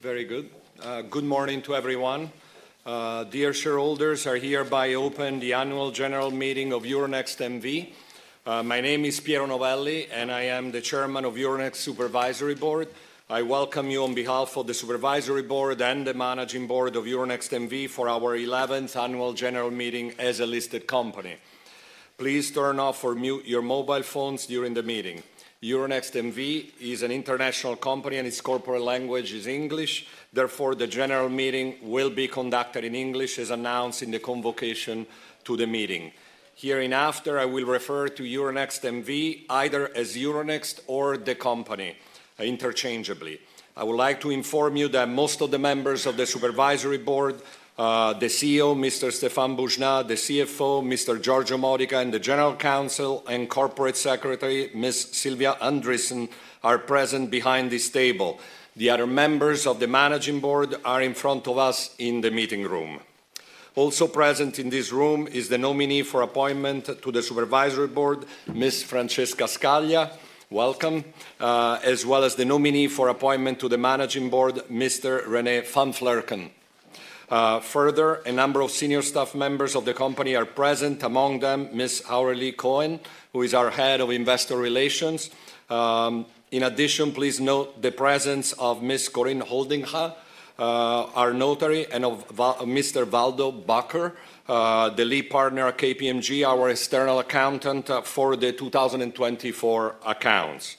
Very good. Good morning to everyone. Dear shareholders, I hereby open the annual general meeting of Euronext N.V. My name is Piero Novelli, and I am the Chairman of the Euronext Supervisory Board. I welcome you on behalf of the Supervisory Board and the Managing Board of Euronext N.V. for our 11th annual general meeting as a listed company. Please turn off or mute your mobile phones during the meeting. Euronext N.V. is an international company, and its corporate language is English. Therefore, the general meeting will be conducted in English, as announced in the convocation to the meeting. Hereinafter, I will refer to Euronext N.V. either as Euronext or the company, interchangeably. I would like to inform you that most of the members of the Supervisory Board, the CEO, Mr. Stéphane Boujnah, the CFO, Mr. Giorgio Modica, and the General Counsel and Corporate Secretary, Ms. Sylvia Andriessen, are present behind this table. The other members of the Managing Board are in front of us in the meeting room. Also present in this room is the nominee for appointment to the Supervisory Board, Ms. Francesca Scaglia, welcome, as well as the nominee for appointment to the Managing Board, Mr. René van Vlerken. Further, a number of senior staff members of the company are present, among them Ms. Aurélie Cohen, who is our Head of Investor Relations. In addition, please note the presence of Ms. Corrine Holdinga, our Notary, and of Mr. Waldo Bakker, the lead partner at KPMG, our external accountant for the 2024 accounts.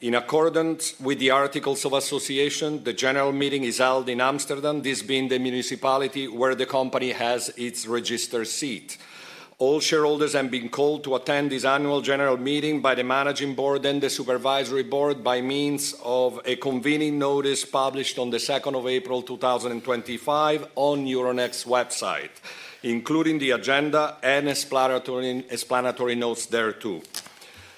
In accordance with the Articles of Association, the general meeting is held in Amsterdam, this being the municipality where the company has its registered seat. All shareholders have been called to attend this annual general meeting by the Managing Board and the Supervisory Board by means of a convening notice published on the 2nd of April 2025 on Euronext's website, including the agenda and explanatory notes thereto.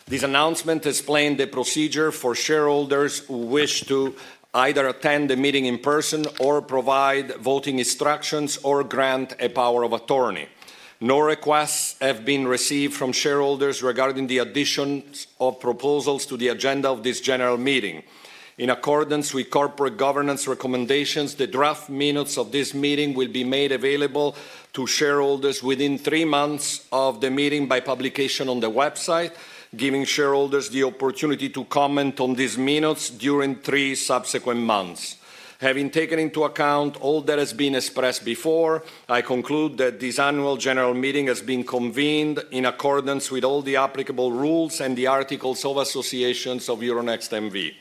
This announcement explains the procedure for shareholders who wish to either attend the meeting in person or provide voting instructions or grant a power of attorney. No requests have been received from shareholders regarding the addition of proposals to the agenda of this general meeting. In accordance with corporate governance recommendations, the draft minutes of this meeting will be made available to shareholders within three months of the meeting by publication on the website, giving shareholders the opportunity to comment on these minutes during three subsequent months. Having taken into account all that has been expressed before, I conclude that this annual general meeting has been convened in accordance with all the applicable rules and the Articles of Association of Euronext N.V.,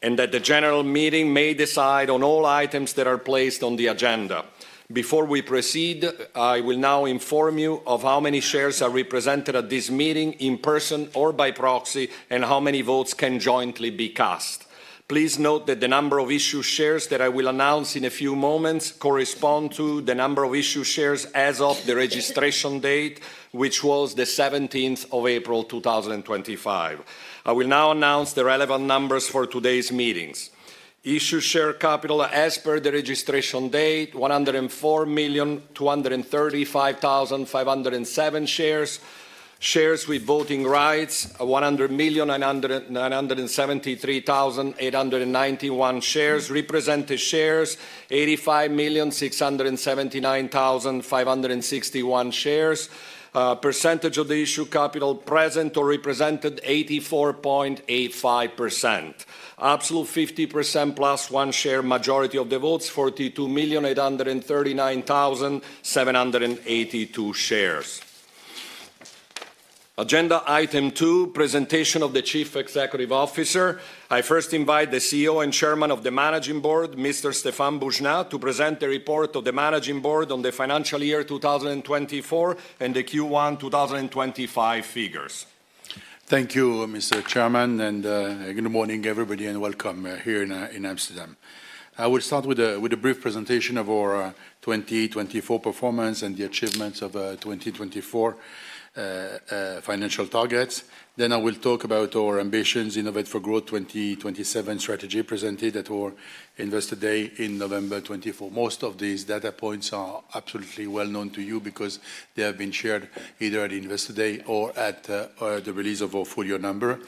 and that the general meeting may decide on all items that are placed on the agenda. Before we proceed, I will now inform you of how many shares are represented at this meeting in person or by proxy, and how many votes can jointly be cast. Please note that the number of issued shares that I will announce in a few moments corresponds to the number of issued shares as of the registration date, which was the 17th of April 2025. I will now announce the relevant numbers for today's meeting. Issued share capital, as per the registration date, 104,235,507 shares. Shares with voting rights, 100,973,891 shares. Represented shares, 85,679,561 shares. Percentage of the issued capital present or represented, 84.85%. Absolute 50%+ one share majority of the votes, 42,839,782 shares. Agenda item two, presentation of the Chief Executive Officer. I first invite the CEO and Chairman of the Managing Board, Mr. Stéphane Boujnah, to present the report of the Managing Board on the financial year 2024 and the Q1 2025 figures. Thank you, Mr. Chairman, and good morning, everybody, and welcome here in Amsterdam. I will start with a brief presentation of our 2024 performance and the achievements of 2024 financial targets. Then I will talk about our ambitions, Innovate for Growth 2027 strategy presented at our Investor Day in November 2024. Most of these data points are absolutely well known to you because they have been shared either at Investor Day or at the release of our full year number.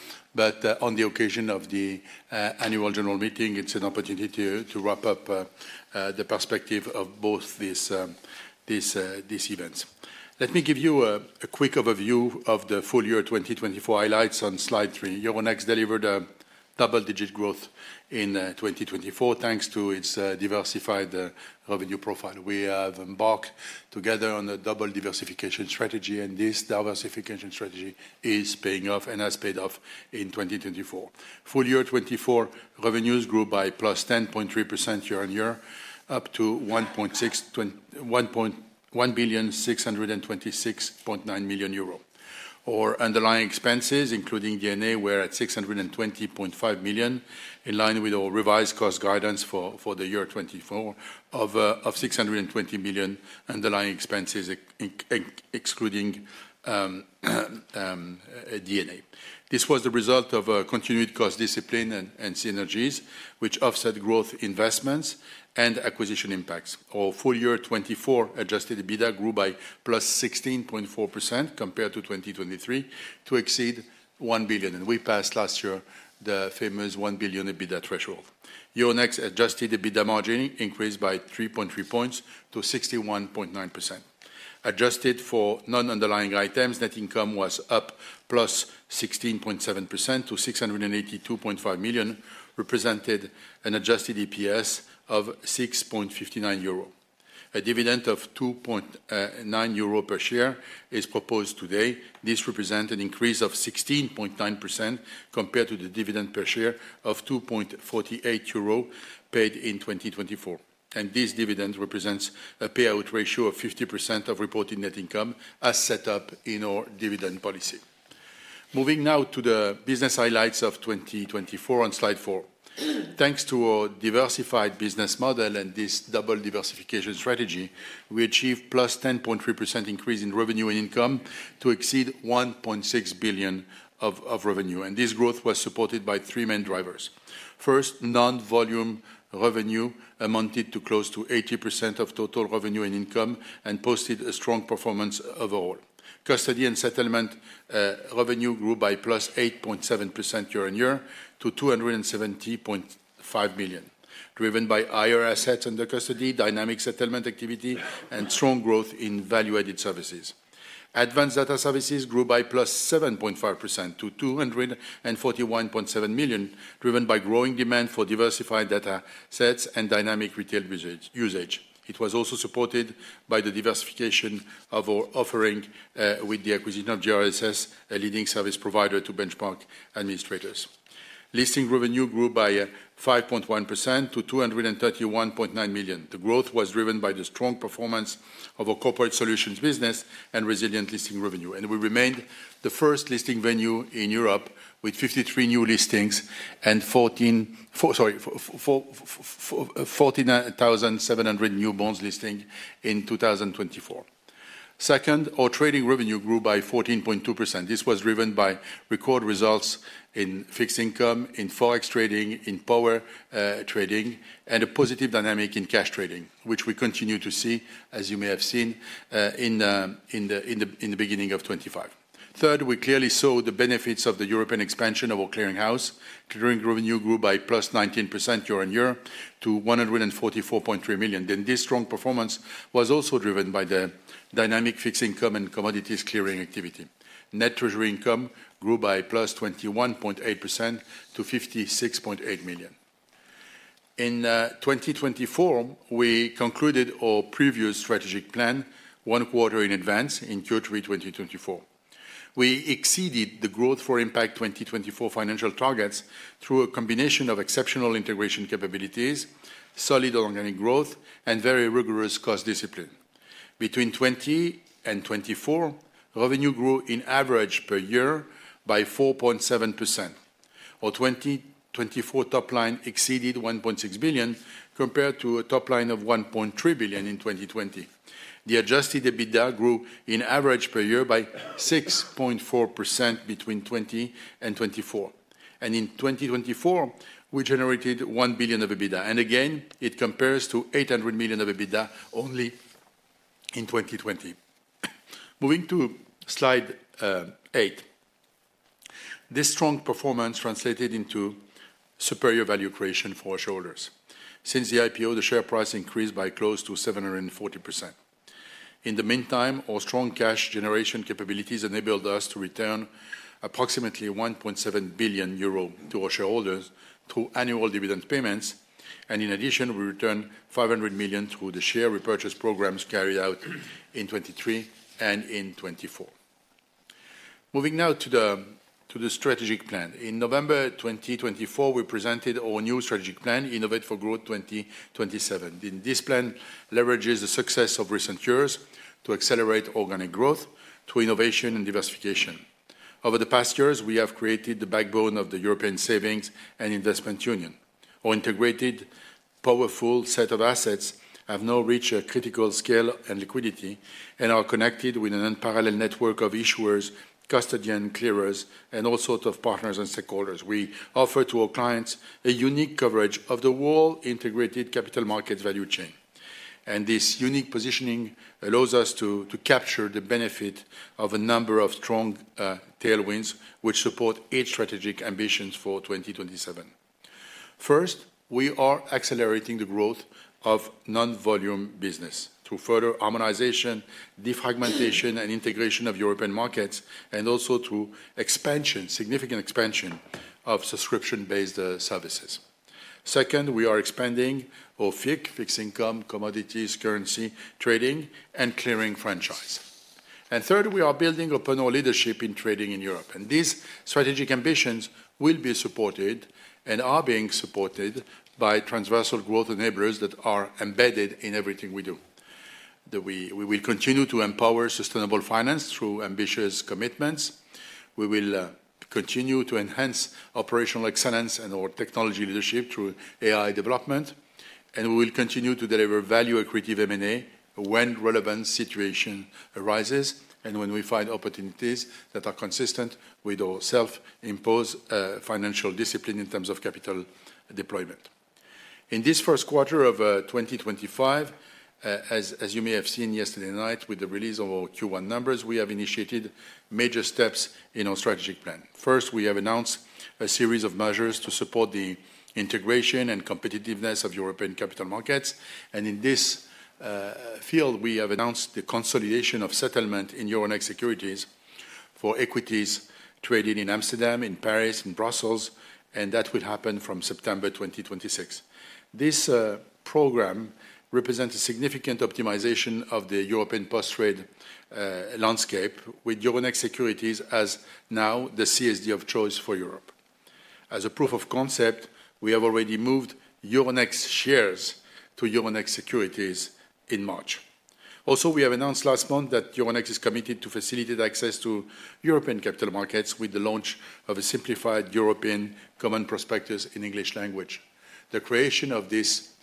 On the occasion of the annual general meeting, it is an opportunity to wrap up the perspective of both these events. Let me give you a quick overview of the full year 2024 highlights on slide three. Euronext delivered a double-digit growth in 2024 thanks to its diversified revenue profile. We have embarked together on a double diversification strategy, and this diversification strategy is paying off and has paid off in 2024. Full year 2024 revenues grew by +10.3% year on year, up to 1,166.9 million euro. Our underlying expenses, including D&A, were at 620.5 million, in line with our revised cost guidance for the year 2024 of 620 million underlying expenses, excluding D&A. This was the result of continued cost discipline and synergies, which offset growth investments and acquisition impacts. Our full year 2024 adjusted EBITDA grew by +16.4% compared to 2023 to exceed 1 billion, and we passed last year the famous 1 billion EBITDA threshold. Euronext adjusted EBITDA margin increased by 3.3 percentage points to 61.9%. Adjusted for non-underlying items, net income was up +16.7% to 682.5 million, represented an adjusted EPS of 6.59 euro. A dividend of 2.9 euro per share is proposed today. This represents an increase of 16.9% compared to the dividend per share of 2.48 euro paid in 2024. This dividend represents a payout ratio of 50% of reported net income as set up in our dividend policy. Moving now to the business highlights of 2024 on slide four. Thanks to our diversified business model and this double diversification strategy, we achieved +10.3% increase in revenue and income to exceed 1.6 billion of revenue. This growth was supported by three main drivers. First, non-volume revenue amounted to close to 80% of total revenue and income and posted a strong performance overall. Custody and settlement revenue grew by +8.7% year on year to 270.5 million, driven by higher assets under custody, dynamic settlement activity, and strong growth in value-added services. Advanced data services grew by +7.5% to 241.7 million, driven by growing demand for diversified data sets and dynamic retail usage. It was also supported by the diversification of our offering with the acquisition of GRSS, a leading service provider to benchmark administrators. Listing revenue grew by 5.1% to 231.9 million. The growth was driven by the strong performance of our corporate solutions business and resilient listing revenue. We remained the first listing venue in Europe with 53 new listings and 49,700 new bonds listing in 2024. Second, our trading revenue grew by 14.2%. This was driven by record results in fixed income, in forex trading, in power trading, and a positive dynamic in cash trading, which we continue to see, as you may have seen in the beginning of 2025. Third, we clearly saw the benefits of the European expansion of our clearing house. Clearing revenue grew by +19% year on year to 144.3 million. This strong performance was also driven by the dynamic fixed income and commodities clearing activity. Net treasury income grew by +21.8% to 56.8 million. In 2024, we concluded our previous strategic plan one quarter in advance in Q3 2024. We exceeded the Growth for Impact 2024 financial targets through a combination of exceptional integration capabilities, solid organic growth, and very rigorous cost discipline. Between 2020 and 2024, revenue grew in average per year by 4.7%. Our 2024 top line exceeded 1.6 billion compared to a top line of 1.3 billion in 2020. The adjusted EBITDA grew in average per year by 6.4% between 2020 and 2024. In 2024, we generated 1 billion of EBITDA. It compares to 800 million of EBITDA only in 2020. Moving to slide eight, this strong performance translated into superior value creation for our shareholders. Since the IPO, the share price increased by close to 740%. In the meantime, our strong cash generation capabilities enabled us to return approximately 1.7 billion euro to our shareholders through annual dividend payments. In addition, we returned 500 million through the share repurchase programs carried out in 2023 and in 2024. Moving now to the strategic plan. In November 2024, we presented our new strategic plan, Innovate for Growth 2027. This plan leverages the success of recent years to accelerate organic growth, to innovation and diversification. Over the past years, we have created the backbone of the European Savings and Investment Union. Our integrated, powerful set of assets have now reached a critical scale and liquidity and are connected with an unparalleled network of issuers, custodians, clearers, and all sorts of partners and stakeholders. We offer to our clients a unique coverage of the world integrated capital markets value chain. This unique positioning allows us to capture the benefit of a number of strong tailwinds, which support each strategic ambition for 2027. First, we are accelerating the growth of non-volume business through further harmonization, defragmentation, and integration of European markets, and also through significant expansion of subscription-based services. Second, we are expanding our FICC, fixed income, commodities, currency trading, and clearing franchise. Third, we are building upon our leadership in trading in Europe. These strategic ambitions will be supported and are being supported by transversal growth enablers that are embedded in everything we do. We will continue to empower sustainable finance through ambitious commitments. We will continue to enhance operational excellence and our technology leadership through AI development. We will continue to deliver value-accretive M&A when relevant situation arises and when we find opportunities that are consistent with our self-imposed financial discipline in terms of capital deployment. In this first quarter of 2025, as you may have seen yesterday night with the release of our Q1 numbers, we have initiated major steps in our strategic plan. First, we have announced a series of measures to support the integration and competitiveness of European capital markets. In this field, we have announced the consolidation of settlement in Euronext Securities for equities traded in Amsterdam, in Paris, in Brussels, and that will happen from September 2026. This program represents a significant optimization of the European post-trade landscape, with Euronext Securities as now the CSD of choice for Europe. As a proof of concept, we have already moved Euronext shares to Euronext Securities in March. Also, we have announced last month that Euronext is committed to facilitate access to European capital markets with the launch of a simplified European common prospectus in English language. The creation of this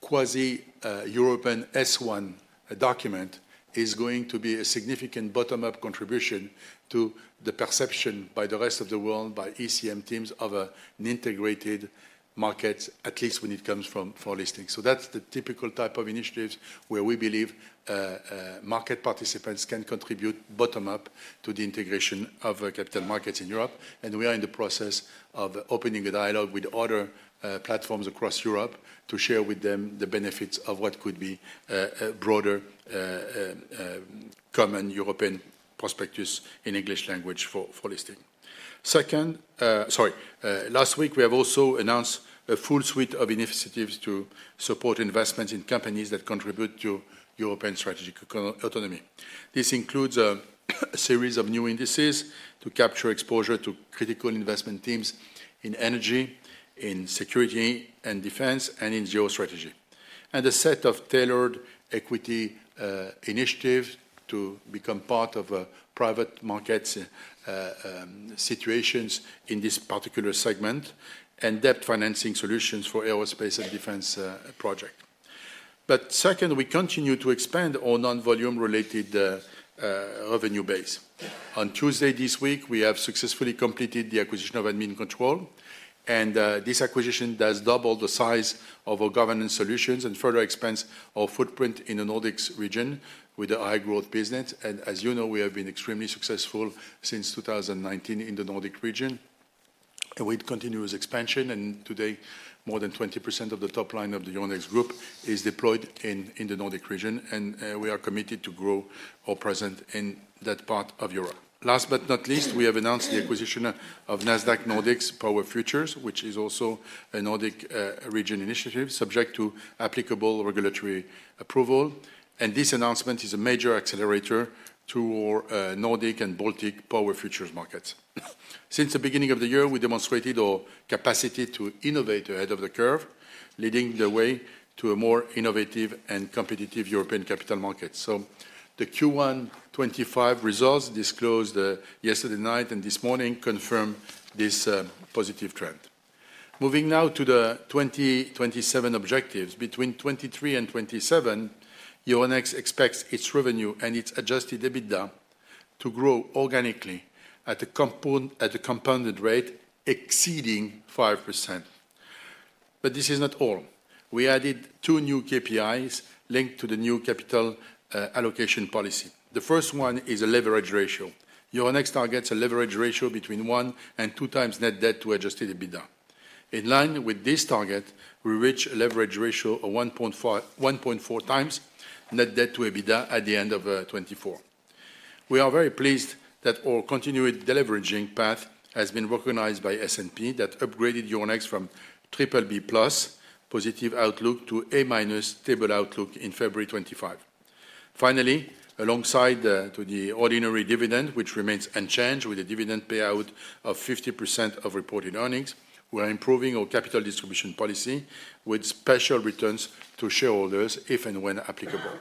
quasi-European S1 document is going to be a significant bottom-up contribution to the perception by the rest of the world, by ECM teams, of an integrated market, at least when it comes from listing. That is the typical type of initiatives where we believe market participants can contribute bottom-up to the integration of capital markets in Europe. We are in the process of opening a dialogue with other platforms across Europe to share with them the benefits of what could be a broader common European prospectus in English language for listing. Second, sorry, last week, we have also announced a full suite of initiatives to support investments in companies that contribute to European strategic autonomy. This includes a series of new indices to capture exposure to critical investment themes in energy, in security and defense, and in Geostrategy. A set of tailored equity initiatives to become part of private market situations in this particular segment and debt financing solutions for aerospace and defense projects. Second, we continue to expand our non-volume-related revenue base. On Tuesday this week, we have successfully completed the acquisition of Admincontrol. This acquisition does double the size of our governance solutions and further expands our footprint in the Nordics region with a high-growth business. As you know, we have been extremely successful since 2019 in the Nordic region with continuous expansion. Today, more than 20% of the top line of the Euronext Group is deployed in the Nordic region. We are committed to grow our presence in that part of Europe. Last but not least, we have announced the acquisition of Nasdaq Nordics power futures, which is also a Nordic region initiative subject to applicable regulatory approval. This announcement is a major accelerator to our Nordic and Baltic power futures markets. Since the beginning of the year, we demonstrated our capacity to innovate ahead of the curve, leading the way to a more innovative and competitive European capital markets. The Q1 2025 results disclosed yesterday night and this morning confirm this positive trend. Moving now to the 2027 objectives. Between 2023 and 2027, Euronext expects its revenue and its adjusted EBITDA to grow organically at a compounded rate exceeding 5%. This is not all. We added two new KPIs linked to the new capital allocation policy. The first one is a leverage ratio. Euronext targets a leverage ratio between 1-2 times net debt to adjusted EBITDA. In line with this target, we reach a leverage ratio of 1.4 times net debt to EBITDA at the end of 2024. We are very pleased that our continued deleveraging path has been recognized by S&P that upgraded Euronext from BBB+ positive outlook to A- stable outlook in February 2025. Finally, alongside the ordinary dividend, which remains unchanged with a dividend payout of 50% of reported earnings, we are improving our capital distribution policy with special returns to shareholders if and when applicable.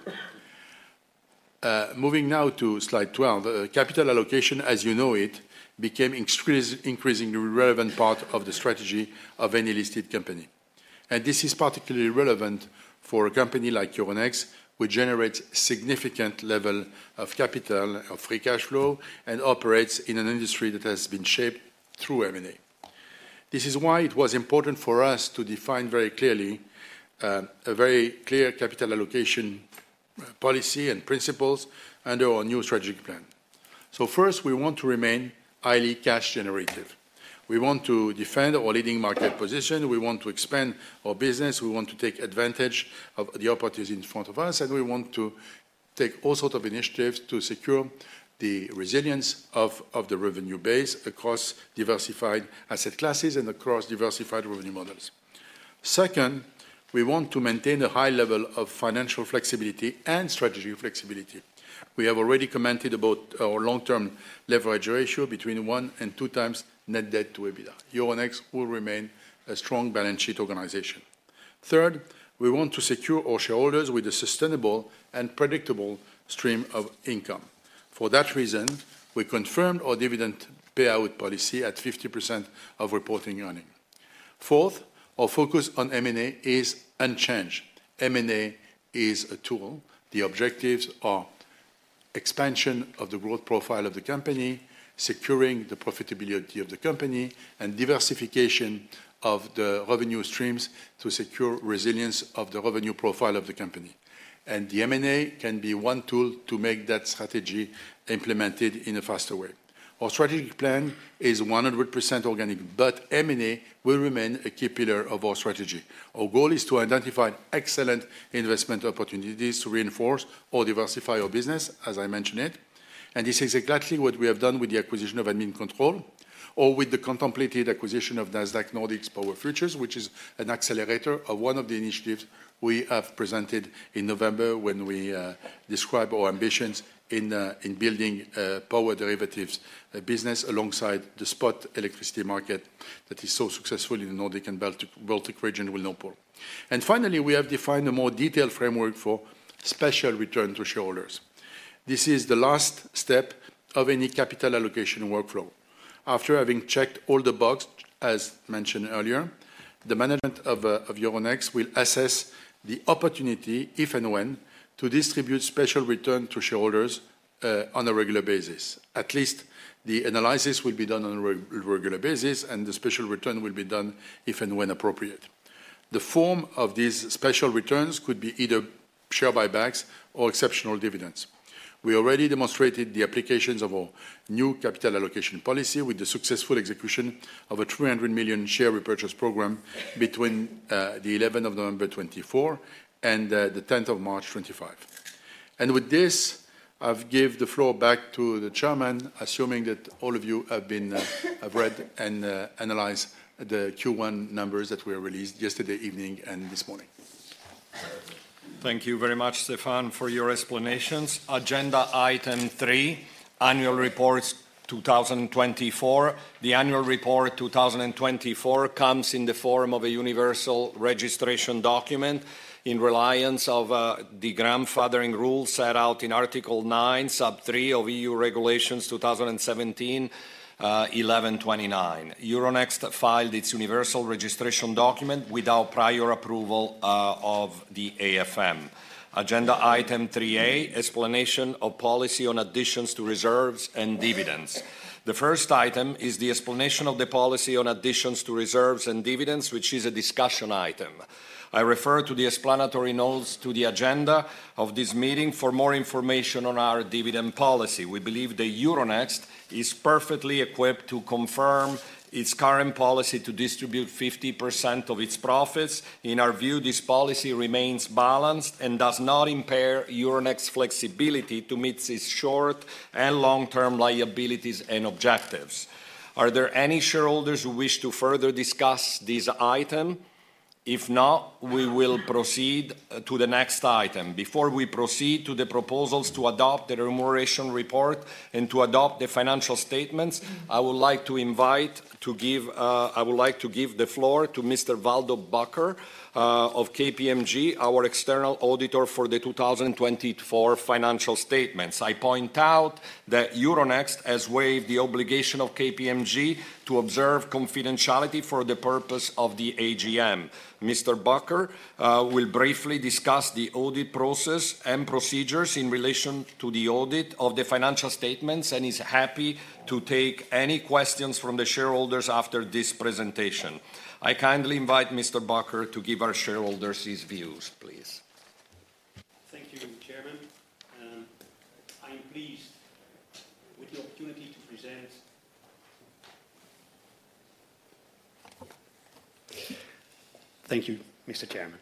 Moving now to slide 12, capital allocation, as you know it, became an increasingly relevant part of the strategy of any listed company. This is particularly relevant for a company like Euronext, which generates a significant level of capital, of free cash flow, and operates in an industry that has been shaped through M&A. This is why it was important for us to define very clearly a very clear capital allocation policy and principles under our new strategic plan. First, we want to remain highly cash generative. We want to defend our leading market position. We want to expand our business. We want to take advantage of the opportunities in front of us. We want to take all sorts of initiatives to secure the resilience of the revenue base across diversified asset classes and across diversified revenue models. Second, we want to maintain a high level of financial flexibility and strategic flexibility. We have already commented about our long-term leverage ratio between 1-2 times net debt to EBITDA. Euronext will remain a strong balance sheet organization. Third, we want to secure our shareholders with a sustainable and predictable stream of income. For that reason, we confirmed our dividend payout policy at 50% of reporting earnings. Fourth, our focus on M&A is unchanged. M&A is a tool. The objectives are expansion of the growth profile of the company, securing the profitability of the company, and diversification of the revenue streams to secure resilience of the revenue profile of the company. M&A can be one tool to make that strategy implemented in a faster way. Our strategic plan is 100% organic, but M&A will remain a key pillar of our strategy. Our goal is to identify excellent investment opportunities to reinforce or diversify our business, as I mentioned. This is exactly what we have done with the acquisition of Admincontrol or with the contemplated acquisition of Nasdaq Nordics power futures, which is an accelerator of one of the initiatives we have presented in November when we described our ambitions in building a power derivatives business alongside the spot electricity market that is so successful in the Nordic and Baltic region we are well known for. Finally, we have defined a more detailed framework for special return to shareholders. This is the last step of any capital allocation workflow. After having checked all the box, as mentioned earlier, the management of Euronext will assess the opportunity, if and when, to distribute special return to shareholders on a regular basis. At least the analysis will be done on a regular basis, and the special return will be done if and when appropriate. The form of these special returns could be either share buybacks or exceptional dividends. We already demonstrated the applications of our new capital allocation policy with the successful execution of a 300 million share repurchase program between the 11th of November 2024 and the 10th of March 2025. With this, I've given the floor back to the Chairman, assuming that all of you have read and analyzed the Q1 numbers that were released yesterday evening and this morning. Thank you very much, Stéphane, for your explanations. Agenda item three, annual reports 2024. The annual report 2024 comes in the form of a Universal Registration Document in reliance of the grandfathering rules set out in Article 9, Sub 3 of EU Regulations 2017-11-29. Euronext filed its Universal Registration Document without prior approval of the AFM. Agenda item 3A, explanation of policy on additions to reserves and dividends. The first item is the explanation of the policy on additions to reserves and dividends, which is a discussion item. I refer to the explanatory notes to the agenda of this meeting for more information on our dividend policy. We believe that Euronext is perfectly equipped to confirm its current policy to distribute 50% of its profits. In our view, this policy remains balanced and does not impair Euronext's flexibility to meet its short and long-term liabilities and objectives. Are there any shareholders who wish to further discuss this item? If not, we will proceed to the next item. Before we proceed to the proposals to adopt the remuneration report and to adopt the financial statements, I would like to invite to give the floor to Mr. Waldo Bakker of KPMG, our external auditor for the 2024 financial statements. I point out that Euronext has waived the obligation of KPMG to observe confidentiality for the purpose of the AGM. Mr. Bakker will briefly discuss the audit process and procedures in relation to the audit of the financial statements and is happy to take any questions from the shareholders after this presentation. I kindly invite Mr. Bakker to give our shareholders his views, please. Thank you, Chairman.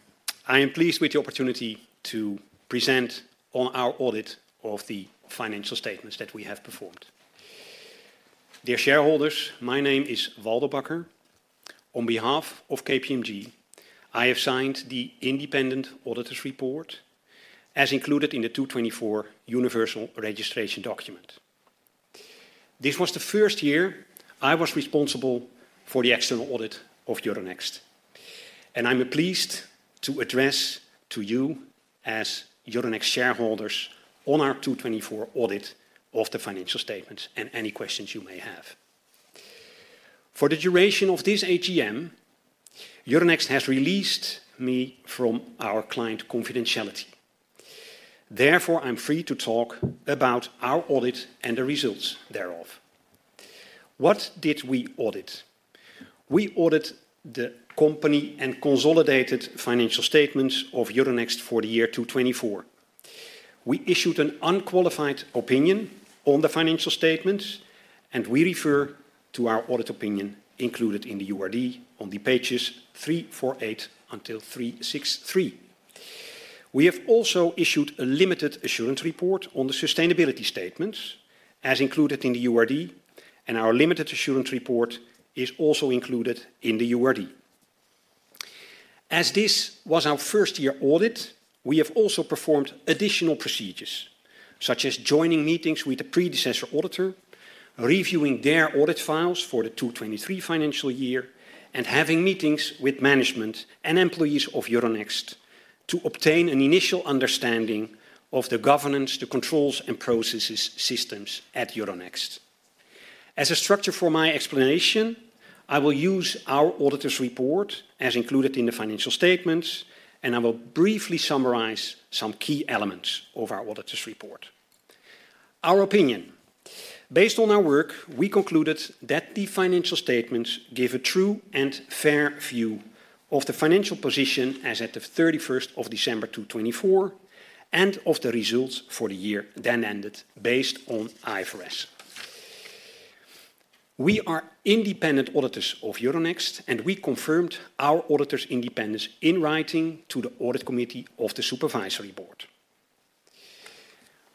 I am pleased with the opportunity to present. Thank you, Mr. Chairman. I am pleased with the opportunity to present on our audit of the financial statements that we have performed. Dear shareholders, my name is Waldo Bakker. On behalf of KPMG, I have signed the independent auditor's report as included in the 2024 Universal Registration Document. This was the first year I was responsible for the external audit of Euronext. I am pleased to address you as Euronext shareholders on our 2024 audit of the financial statements and any questions you may have. For the duration of this AGM, Euronext has released me from our client confidentiality. Therefore, I am free to talk about our audit and the results thereof. What did we audit? We audited the company and consolidated financial statements of Euronext for the year 2024. We issued an unqualified opinion on the financial statements, and we refer to our audit opinion included in the URD on the pages 348-363. We have also issued a limited assurance report on the sustainability statements as included in the URD, and our limited assurance report is also included in the URD. As this was our first year audit, we have also performed additional procedures, such as joining meetings with the predecessor auditor, reviewing their audit files for the 2023 financial year, and having meetings with management and employees of Euronext to obtain an initial understanding of the governance, the controls, and processes systems at Euronext. As a structure for my explanation, I will use our auditor's report as included in the financial statements, and I will briefly summarize some key elements of our auditor's report. Our opinion. Based on our work, we concluded that the financial statements give a true and fair view of the financial position as at the 31st of December 2024 and of the results for the year then ended based on IFRS. We are independent auditors of Euronext, and we confirmed our auditor's independence in writing to the audit committee of the Supervisory Board.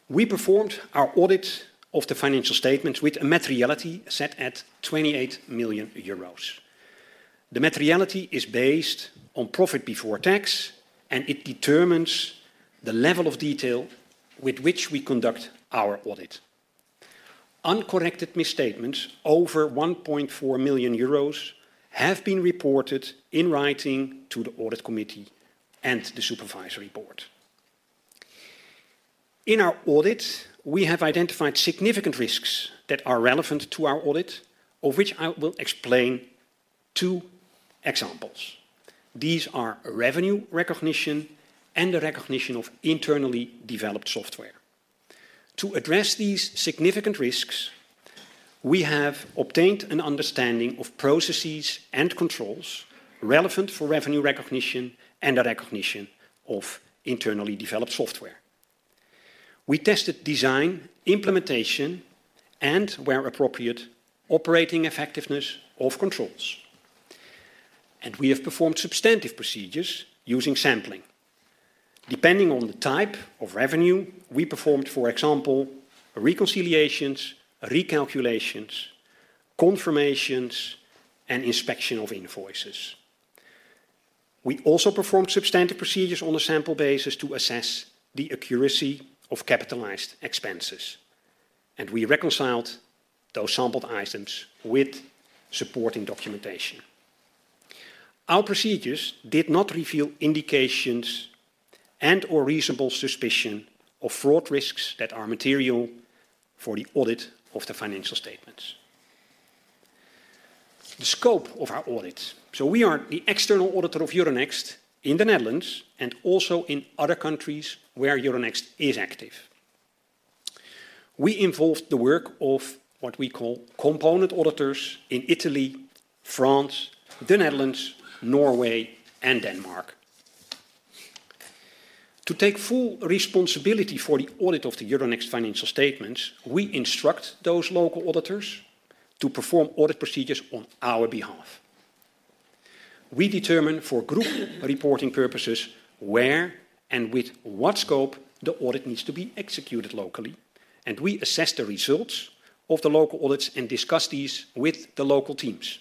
We performed our audit of the financial statements with a materiality set at 28 million euros. The materiality is based on profit before tax, and it determines the level of detail with which we conduct our audit. Uncorrected misstatements over 1.4 million euros have been reported in writing to the audit committee and the Supervisory Board. In our audit, we have identified significant risks that are relevant to our audit, of which I will explain two examples. These are revenue recognition and the recognition of internally developed software. To address these significant risks, we have obtained an understanding of processes and controls relevant for revenue recognition and the recognition of internally developed software. We tested design, implementation, and, where appropriate, operating effectiveness of controls. We have performed substantive procedures using sampling. Depending on the type of revenue, we performed, for example, reconciliations, recalculations, confirmations, and inspection of invoices. We also performed substantive procedures on a sample basis to assess the accuracy of capitalized expenses. We reconciled those sampled items with supporting documentation. Our procedures did not reveal indications and/or reasonable suspicion of fraud risks that are material for the audit of the financial statements. The scope of our audit. We are the external auditor of Euronext in the Netherlands and also in other countries where Euronext is active. We involved the work of what we call component auditors in Italy, France, the Netherlands, Norway, and Denmark. To take full responsibility for the audit of the Euronext financial statements, we instruct those local auditors to perform audit procedures on our behalf. We determine for group reporting purposes where and with what scope the audit needs to be executed locally, and we assess the results of the local audits and discuss these with the local teams.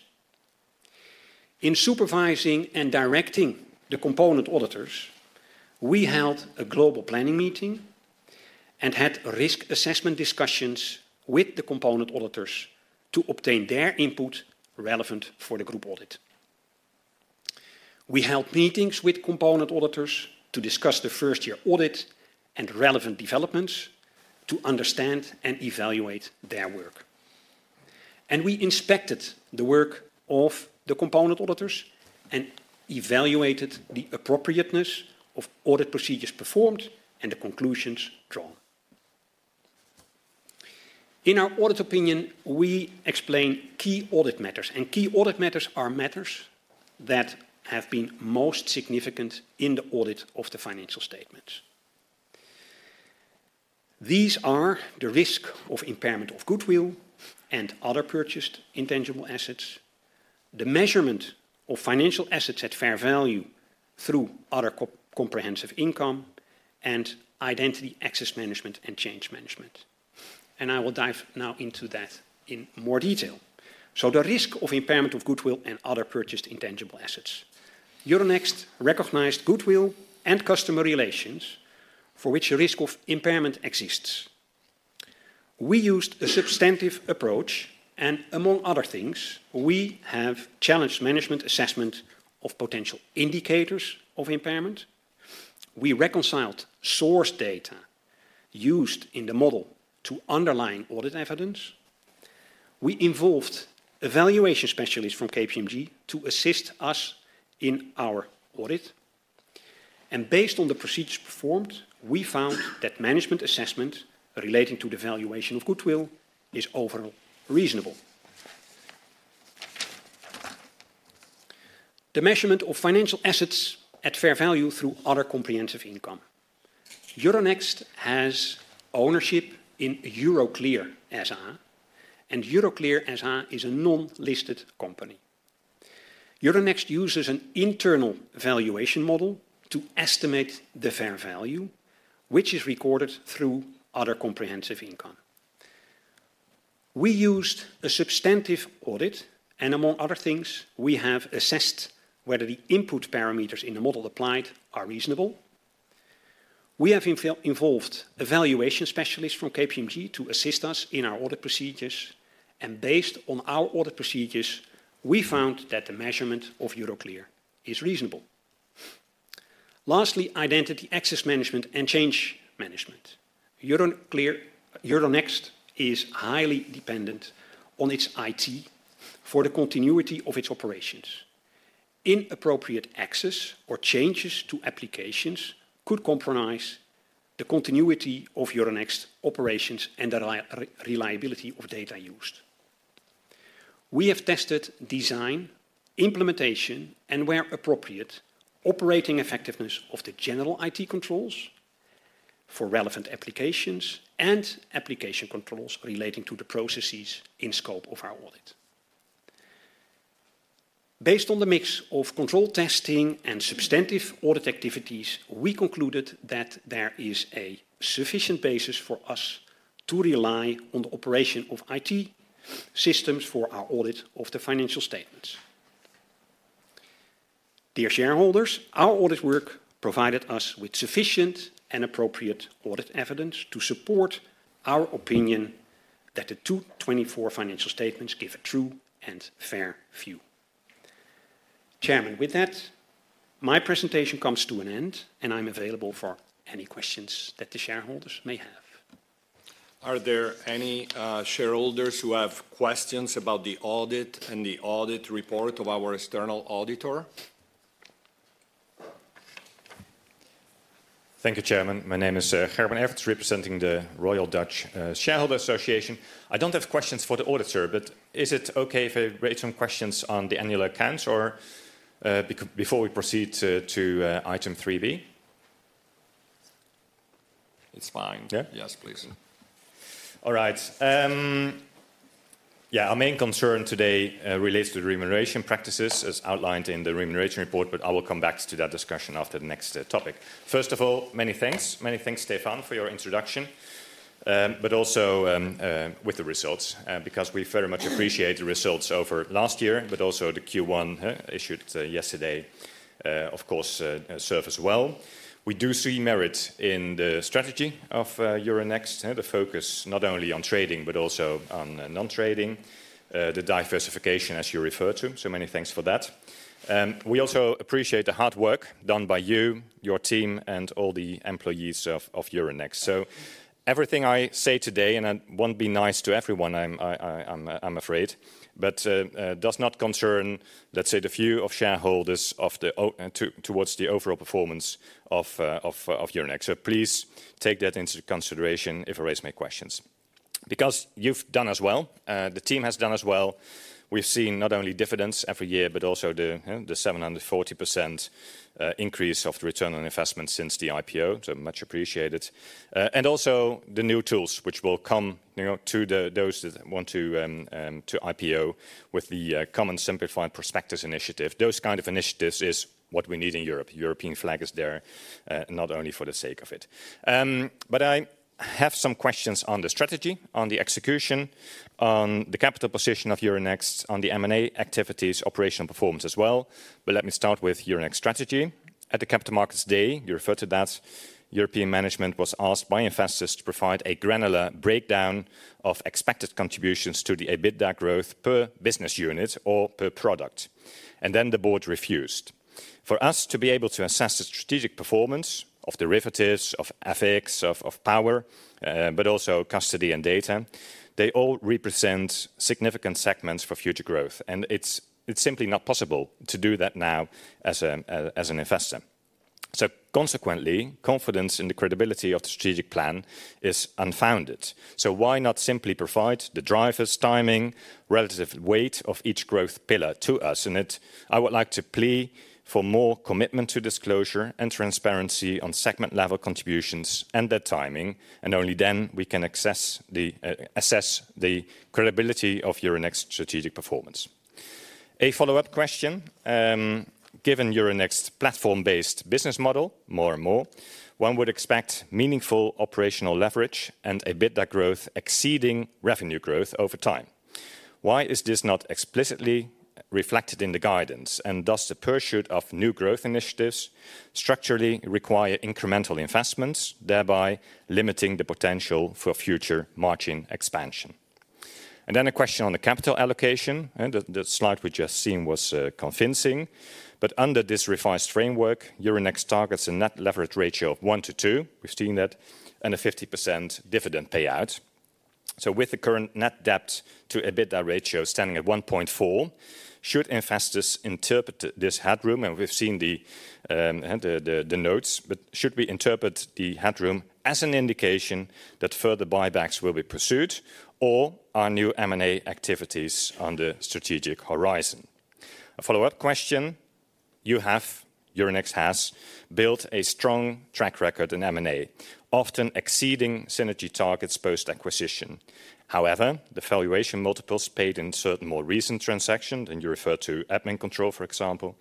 In supervising and directing the component auditors, we held a global planning meeting and had risk assessment discussions with the component auditors to obtain their input relevant for the group audit. We held meetings with component auditors to discuss the first-year audit and relevant developments to understand and evaluate their work. We inspected the work of the component auditors and evaluated the appropriateness of audit procedures performed and the conclusions drawn. In our audit opinion, we explain key audit matters. Key audit matters are matters that have been most significant in the audit of the financial statements. These are the risk of impairment of goodwill and other purchased intangible assets, the measurement of financial assets at fair value through other comprehensive income, and identity access management and change management. I will dive now into that in more detail. The risk of impairment of goodwill and other purchased intangible assets. Euronext recognized goodwill and customer relations for which a risk of impairment exists. We used a substantive approach, and among other things, we have challenged management assessment of potential indicators of impairment. We reconciled source data used in the model to underline audit evidence. We involved evaluation specialists from KPMG to assist us in our audit. Based on the procedures performed, we found that management assessment relating to the valuation of goodwill is overall reasonable. The measurement of financial assets at fair value through other comprehensive income. Euronext has ownership in Euroclear SA, and Euroclear SA is a non-listed company. Euronext uses an internal valuation model to estimate the fair value, which is recorded through other comprehensive income. We used a substantive audit, and among other things, we have assessed whether the input parameters in the model applied are reasonable. We have involved evaluation specialists from KPMG to assist us in our audit procedures, and based on our audit procedures, we found that the measurement of Euroclear is reasonable. Lastly, identity access management and change management. Euronext is highly dependent on its IT for the continuity of its operations. Inappropriate access or changes to applications could compromise the continuity of Euronext's operations and the reliability of data used. We have tested design, implementation, and, where appropriate, operating effectiveness of the general IT controls for relevant applications and application controls relating to the processes in scope of our audit. Based on the mix of control testing and substantive audit activities, we concluded that there is a sufficient basis for us to rely on the operation of IT systems for our audit of the financial statements. Dear shareholders, our audit work provided us with sufficient and appropriate audit evidence to support our opinion that the 2024 financial statements give a true and fair view. Chairman, with that, my presentation comes to an end, and I'm available for any questions that the shareholders may have. Are there any shareholders who have questions about the audit and the audit report of our external auditor? Thank you, Chairman. My name is Gerben Everts, representing the Royal Dutch Shareholders Association. I don't have questions for the auditor, but is it okay if I raise some questions on the annual accounts before we proceed to item 3B? It's fine. Yeah? Yes, please. All right. Yeah, our main concern today relates to the remuneration practices, as outlined in the remuneration report, but I will come back to that discussion after the next topic. First of all, many thanks. Many thanks, Stéphane, for your introduction, but also with the results, because we very much appreciate the results over last year, but also the Q1 issued yesterday, of course, serve as well. We do see merit in the strategy of Euronext, the focus not only on trading, but also on non-trading, the diversification, as you referred to. Many thanks for that. We also appreciate the hard work done by you, your team, and all the employees of Euronext. Everything I say today, and it will not be nice to everyone, I am afraid, but does not concern, let's say, the few shareholders towards the overall performance of Euronext. Please take that into consideration if I raise my questions. Because you have done as well, the team has done as well. We have seen not only dividends every year, but also the 740% increase of the return on investment since the IPO. Much appreciated. Also the new tools which will come to those that want to IPO with the Common Simplified Prospectus Initiative. Those kinds of initiatives is what we need in Europe. The European flag is there not only for the sake of it. I have some questions on the strategy, on the execution, on the capital position of Euronext, on the M&A activities, operational performance as well. Let me start with Euronext's strategy. At the Capital Markets Day, you referred to that, European management was asked by investors to provide a granular breakdown of expected contributions to the EBITDA growth per business unit or per product. The board refused. For us to be able to assess the strategic performance of derivatives, of FX, of power, but also custody and data, they all represent significant segments for future growth. It is simply not possible to do that now as an investor. Consequently, confidence in the credibility of the strategic plan is unfounded. Why not simply provide the drivers, timing, relative weight of each growth pillar to us? I would like to plead for more commitment to disclosure and transparency on segment-level contributions and their timing, and only then we can assess the credibility of Euronext's strategic performance. A follow-up question. Given Euronext's platform-based business model, more and more, one would expect meaningful operational leverage and EBITDA growth exceeding revenue growth over time. Why is this not explicitly reflected in the guidance? Does the pursuit of new growth initiatives structurally require incremental investments, thereby limiting the potential for future margin expansion? A question on the capital allocation. The slide we just seen was convincing. Under this revised framework, Euronext targets a net leverage ratio of 1-2. We have seen that and a 50% dividend payout. With the current net debt to EBITDA ratio standing at 1.4, should investors interpret this headroom? We've seen the notes, but should we interpret the headroom as an indication that further buybacks will be pursued or are new M&A activities on the strategic horizon? A follow-up question. You have, Euronext has, built a strong track record in M&A, often exceeding synergy targets post-acquisition. However, the valuation multiples paid in certain more recent transactions, and you referred to Admincontrol, for example.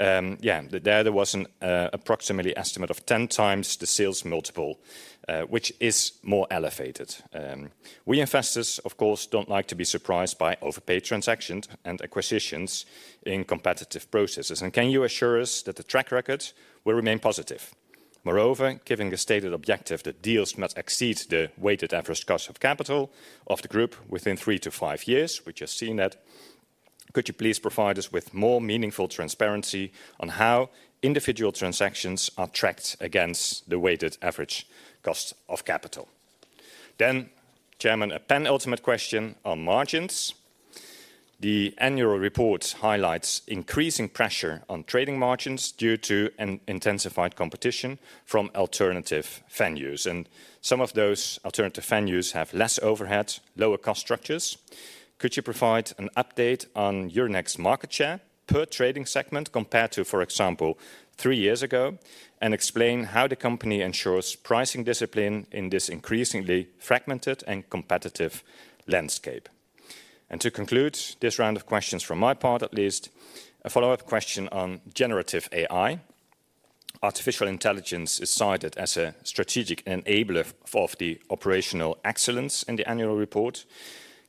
Yeah, there was an approximately estimate of 10 times the sales multiple, which is more elevated. We investors, of course, do not like to be surprised by overpaid transactions and acquisitions in competitive processes. Can you assure us that the track record will remain positive? Moreover, given the stated objective that deals must exceed the weighted average cost of capital of the group within three to five years, we just seen that. Could you please provide us with more meaningful transparency on how individual transactions are tracked against the weighted average cost of capital? Chairman, a penultimate question on margins. The annual report highlights increasing pressure on trading margins due to intensified competition from alternative venues. Some of those alternative venues have less overhead, lower cost structures. Could you provide an update on Euronext's market share per trading segment compared to, for example, three years ago, and explain how the company ensures pricing discipline in this increasingly fragmented and competitive landscape? To conclude this round of questions from my part, at least, a follow-up question on generative AI. Artificial intelligence is cited as a strategic enabler of the operational excellence in the annual report.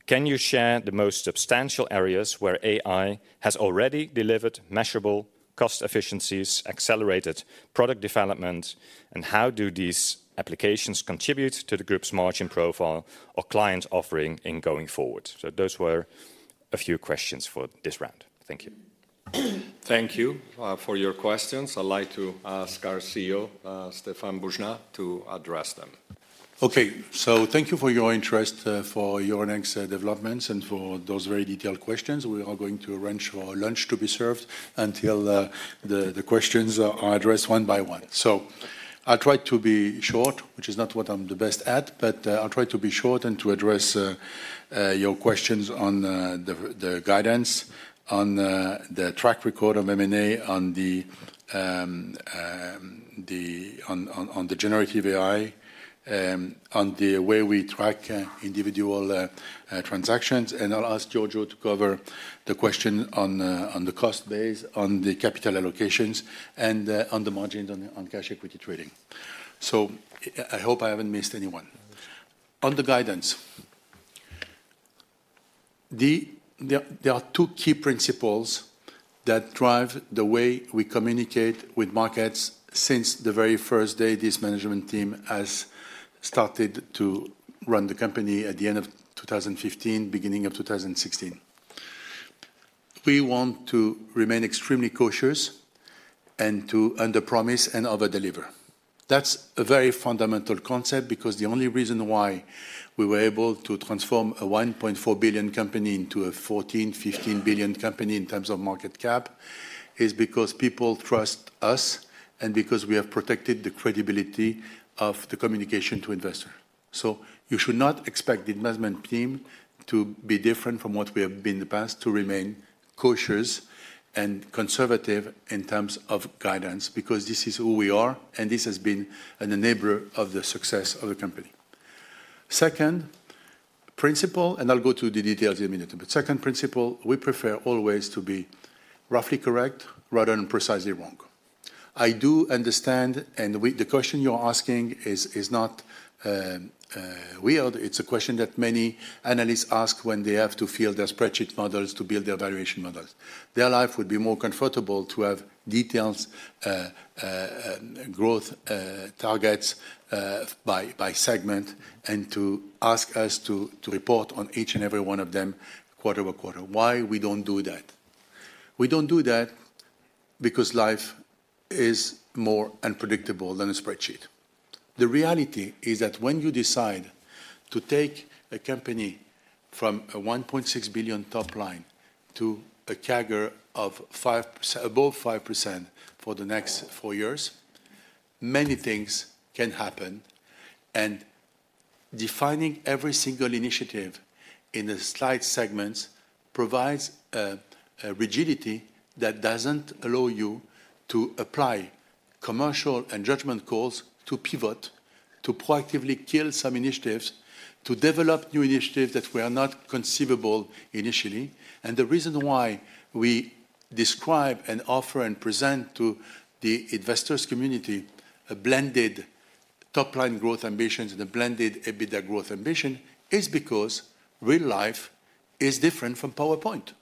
Can you share the most substantial areas where AI has already delivered measurable cost efficiencies, accelerated product development, and how do these applications contribute to the group's margin profile or client offering in going forward? Those were a few questions for this round. Thank you. Thank you for your questions. I'd like to ask our CEO, Stéphane Boujnah, to address them. Thank you for your interest for Euronext's developments and for those very detailed questions. We are going to arrange for lunch to be served until the questions are addressed one by one. I'll try to be short, which is not what I'm the best at, but I'll try to be short and to address your questions on the guidance, on the track record of M&A, on the generative AI, on the way we track individual transactions. I'll ask Giorgio to cover the question on the cost base, on the capital allocations, and on the margins on cash equity trading. I hope I haven't missed anyone. On the guidance, there are two key principles that drive the way we communicate with markets since the very first day this management team has started to run the company at the end of 2015, beginning of 2016. We want to remain extremely cautious and to underpromise and overdeliver. That's a very fundamental concept because the only reason why we were able to transform a 1.4 billion company into a 14-15 billion company in terms of market cap is because people trust us and because we have protected the credibility of the communication to investors. You should not expect the investment team to be different from what we have been in the past, to remain cautious and conservative in terms of guidance, because this is who we are, and this has been an enabler of the success of the company. Second principle, and I'll go to the details in a minute, but second principle, we prefer always to be roughly correct rather than precisely wrong. I do understand, and the question you're asking is not weird. It's a question that many analysts ask when they have to fill their spreadsheet models to build their evaluation models. Their life would be more comfortable to have detailed growth targets by segment and to ask us to report on each and every one of them quarter by quarter. Why we don't do that? We don't do that because life is more unpredictable than a spreadsheet. The reality is that when you decide to take a company from a 1.6 billion top line to a CAGR of above 5% for the next four years, many things can happen. Defining every single initiative in the slide segments provides rigidity that doesn't allow you to apply commercial and judgment calls to pivot, to proactively kill some initiatives, to develop new initiatives that were not conceivable initially. The reason why we describe and offer and present to the investors' community a blended top-line growth ambition and a blended EBITDA growth ambition is because real life is different from PowerPoint.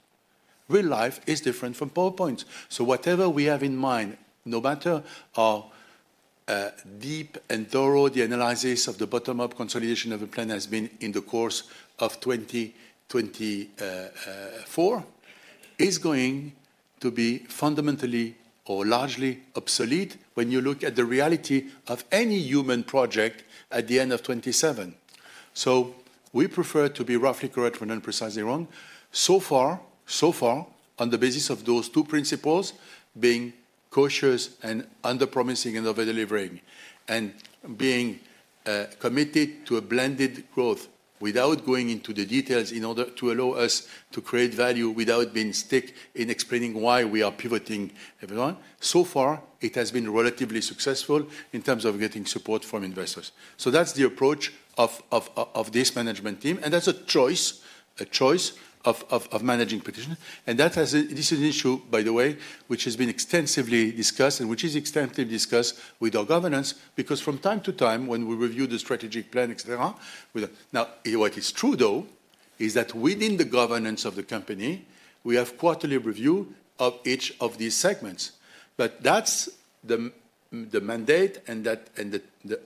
Real life is different from PowerPoint. Whatever we have in mind, no matter how deep and thorough the analysis of the bottom-up consolidation of the plan has been in the course of 2024, is going to be fundamentally or largely obsolete when you look at the reality of any human project at the end of 2027. We prefer to be roughly correct rather than precisely wrong. On the basis of those two principles, being cautious and underpromising and overdelivering and being committed to a blended growth without going into the details in order to allow us to create value without being stuck in explaining why we are pivoting everyone, it has been relatively successful in terms of getting support from investors. That is the approach of this management team. That is a choice of managing position. This is an issue, by the way, which has been extensively discussed and which is extensively discussed with our governance, because from time to time, when we review the strategic plan, etc., now, what is true, though, is that within the governance of the company, we have quarterly review of each of these segments. That is the mandate and that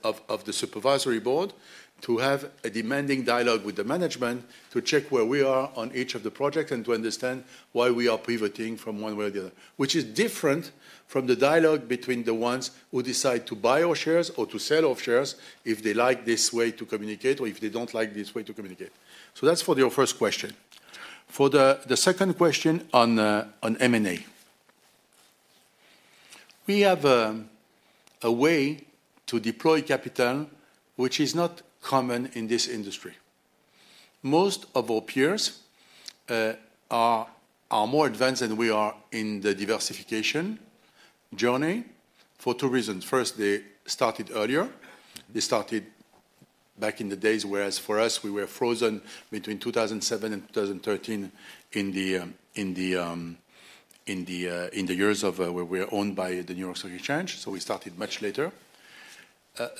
of the Supervisory Board to have a demanding dialogue with the management to check where we are on each of the projects and to understand why we are pivoting from one way or the other, which is different from the dialogue between the ones who decide to buy off shares or to sell off shares if they like this way to communicate or if they do not like this way to communicate. That is for your first question. For the second question on M&A, we have a way to deploy capital which is not common in this industry. Most of our peers are more advanced than we are in the diversification journey for two reasons. First, they started earlier. They started back in the days, whereas for us, we were frozen between 2007 and 2013 in the years where we were owned by the New York Stock Exchange. So we started much later.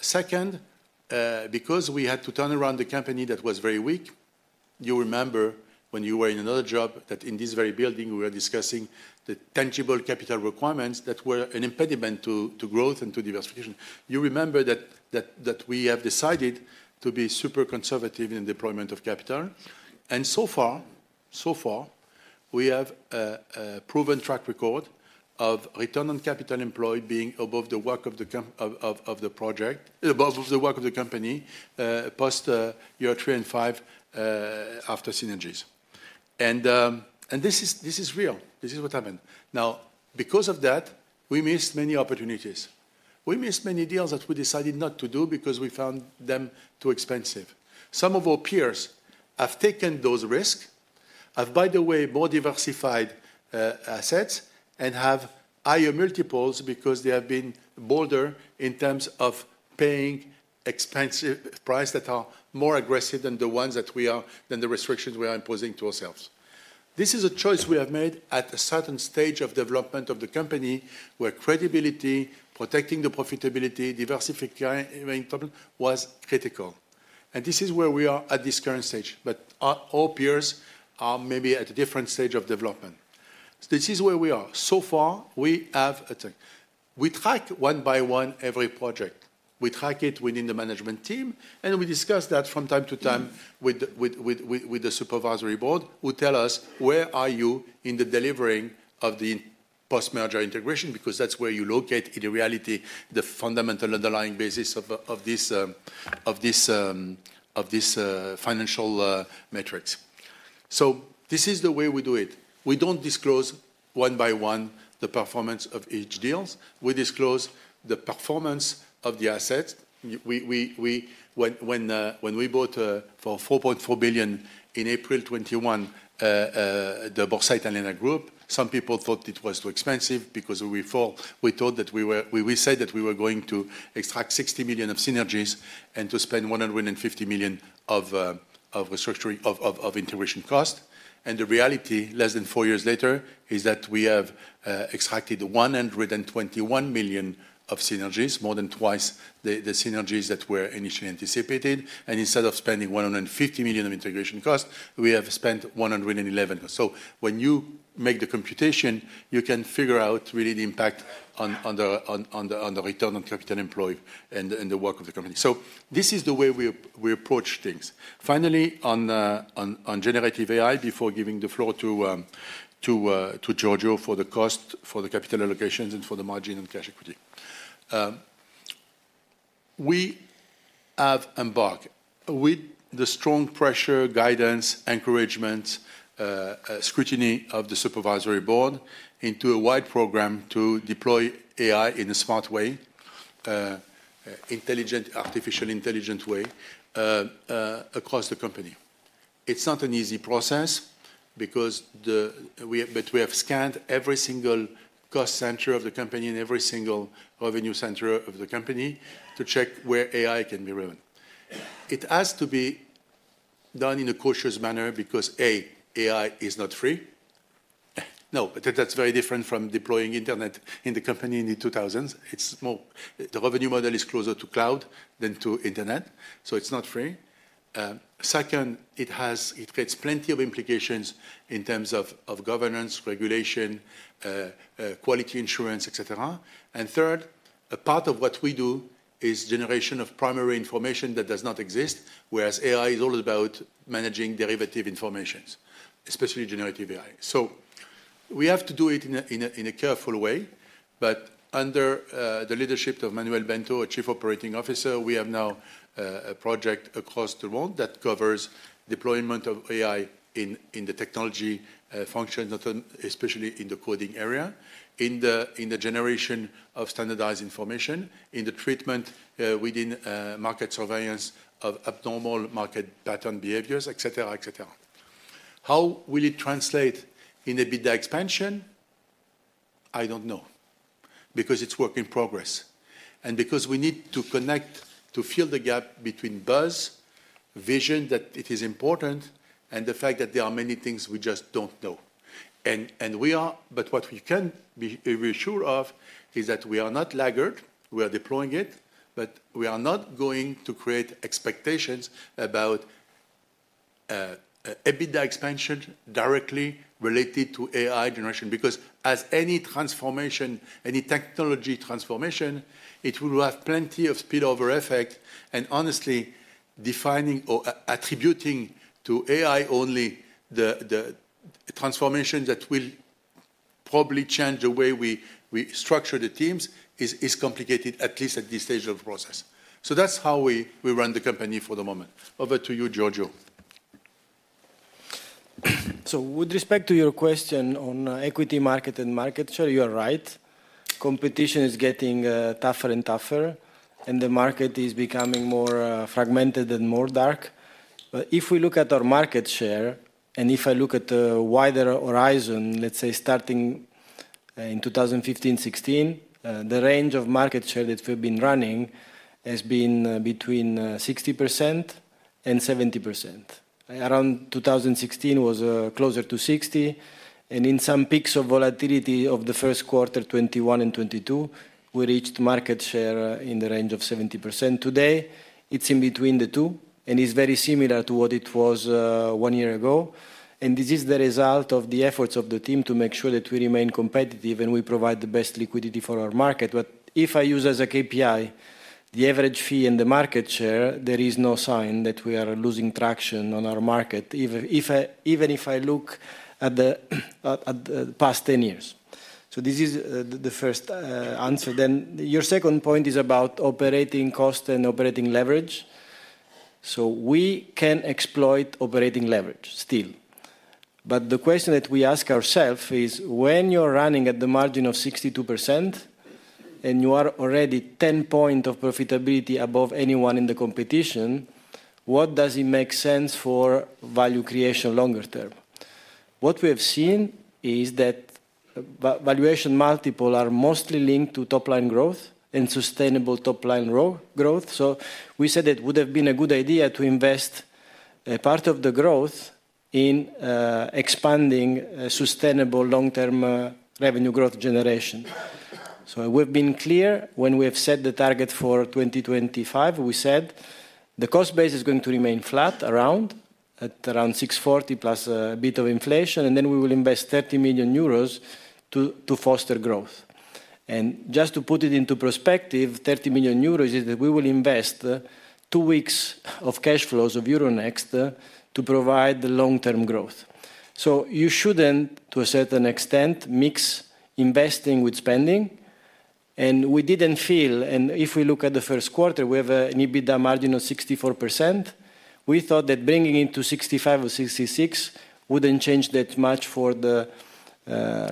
Second, because we had to turn around the company that was very weak, you remember when you were in another job that in this very building, we were discussing the tangible capital requirements that were an impediment to growth and to diversification. You remember that we have decided to be super conservative in the deployment of capital. So far, we have a proven track record of return on capital employed being above the work of the project, above the work of the company post year three and five after synergies. This is real. This is what happened. Now, because of that, we missed many opportunities. We missed many deals that we decided not to do because we found them too expensive. Some of our peers have taken those risks, have, by the way, more diversified assets and have higher multiples because they have been bolder in terms of paying expensive prices that are more aggressive than the ones that we are, than the restrictions we are imposing to ourselves. This is a choice we have made at a certain stage of development of the company where credibility, protecting the profitability, diversification was critical. This is where we are at this current stage. All peers are maybe at a different stage of development. This is where we are. So far, we track one by one every project. We track it within the management team, and we discuss that from time to time with the Supervisory Board who tell us, "Where are you in the delivering of the post-merger integration?" Because that's where you locate in reality the fundamental underlying basis of this financial matrix. This is the way we do it. We don't disclose one by one the performance of each deal. We disclose the performance of the assets. When we bought for 4.4 billion in April 2021, the Borsa Italiana Group, some people thought it was too expensive because we thought that we were, we said that we were going to extract 60 million of synergies and to spend 150 million of restructuring of integration cost. The reality, less than four years later, is that we have extracted 121 million of synergies, more than twice the synergies that were initially anticipated. Instead of spending 150 million of integration cost, we have spent 111 million. When you make the computation, you can figure out really the impact on the return on capital employed and the work of the company. This is the way we approach things. Finally, on generative AI, before giving the floor to Giorgio for the cost, for the capital allocations, and for the margin and cash equity, we have embarked with the strong pressure, guidance, encouragement, scrutiny of the Supervisory Board into a wide program to deploy AI in a smart way, intelligent, artificially intelligent way across the company. It's not an easy process, but we have scanned every single cost center of the company and every single revenue center of the company to check where AI can be driven. It has to be done in a cautious manner because, A, AI is not free. No, but that's very different from deploying internet in the company in the 2000s. The revenue model is closer to cloud than to internet, so it's not free. Second, it creates plenty of implications in terms of governance, regulation, quality insurance, etc. Third, a part of what we do is generation of primary information that does not exist, whereas AI is all about managing derivative information, especially generative AI. We have to do it in a careful way. Under the leadership of Manuel Bento, Chief Operating Officer, we have now a project across the world that covers deployment of AI in the technology function, especially in the coding area, in the generation of standardized information, in the treatment within market surveillance of abnormal market pattern behaviors, etc., etc. How will it translate in EBITDA expansion? I don't know, because it's work in progress. Because we need to connect to fill the gap between Buzz vision that it is important and the fact that there are many things we just don't know. What we can be reassured of is that we are not laggard. We are deploying it, but we are not going to create expectations about EBITDA expansion directly related to AI generation, because as any transformation, any technology transformation, it will have plenty of spillover effect. Honestly, defining or attributing to AI only the transformation that will probably change the way we structure the teams is complicated, at least at this stage of the process. That is how we run the company for the moment. Over to you, Giorgio. With respect to your question on equity market and market share, you are right. Competition is getting tougher and tougher, and the market is becoming more fragmented and more dark. If we look at our market share and if I look at a wider horizon, let's say starting in 2015, 2016, the range of market share that we've been running has been between 60% and 70%. Around 2016 was closer to 60%. In some peaks of volatility of the first quarter 2021 and 2022, we reached market share in the range of 70%. Today, it's in between the two and is very similar to what it was one year ago. This is the result of the efforts of the team to make sure that we remain competitive and we provide the best liquidity for our market. If I use as a KPI the average fee and the market share, there is no sign that we are losing traction on our market, even if I look at the past 10 years. This is the first answer. Your second point is about operating cost and operating leverage. We can exploit operating leverage still. The question that we ask ourselves is, when you're running at the margin of 62% and you are already 10 percentage points of profitability above anyone in the competition, what does it make sense for value creation longer term? What we have seen is that valuation multiples are mostly linked to top-line growth and sustainable top-line growth. We said it would have been a good idea to invest a part of the growth in expanding sustainable long-term revenue growth generation. We have been clear when we have set the target for 2025. We said the cost base is going to remain flat at around 640 million plus a bit of inflation, and then we will invest 30 million euros to foster growth. Just to put it into perspective, 30 million euros is that we will invest two weeks of cash flows of Euronext to provide the long-term growth. You should not, to a certain extent, mix investing with spending. We did not feel, and if we look at the first quarter, we have an EBITDA margin of 64%. We thought that bringing it to 65 or 66 would not change that much for the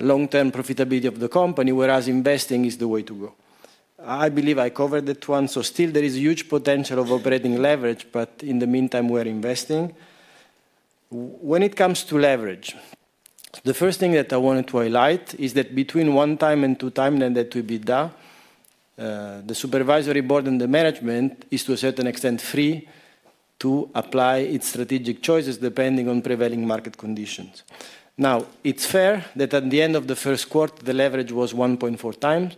long-term profitability of the company, whereas investing is the way to go. I believe I covered that one. There is a huge potential of operating leverage, but in the meantime, we are investing. When it comes to leverage, the first thing that I want to highlight is that between one time and two times net debt to EBITDA, the Supervisory Board and the management is, to a certain extent, free to apply its strategic choices depending on prevailing market conditions. It is fair that at the end of the first quarter, the leverage was 1.4 times.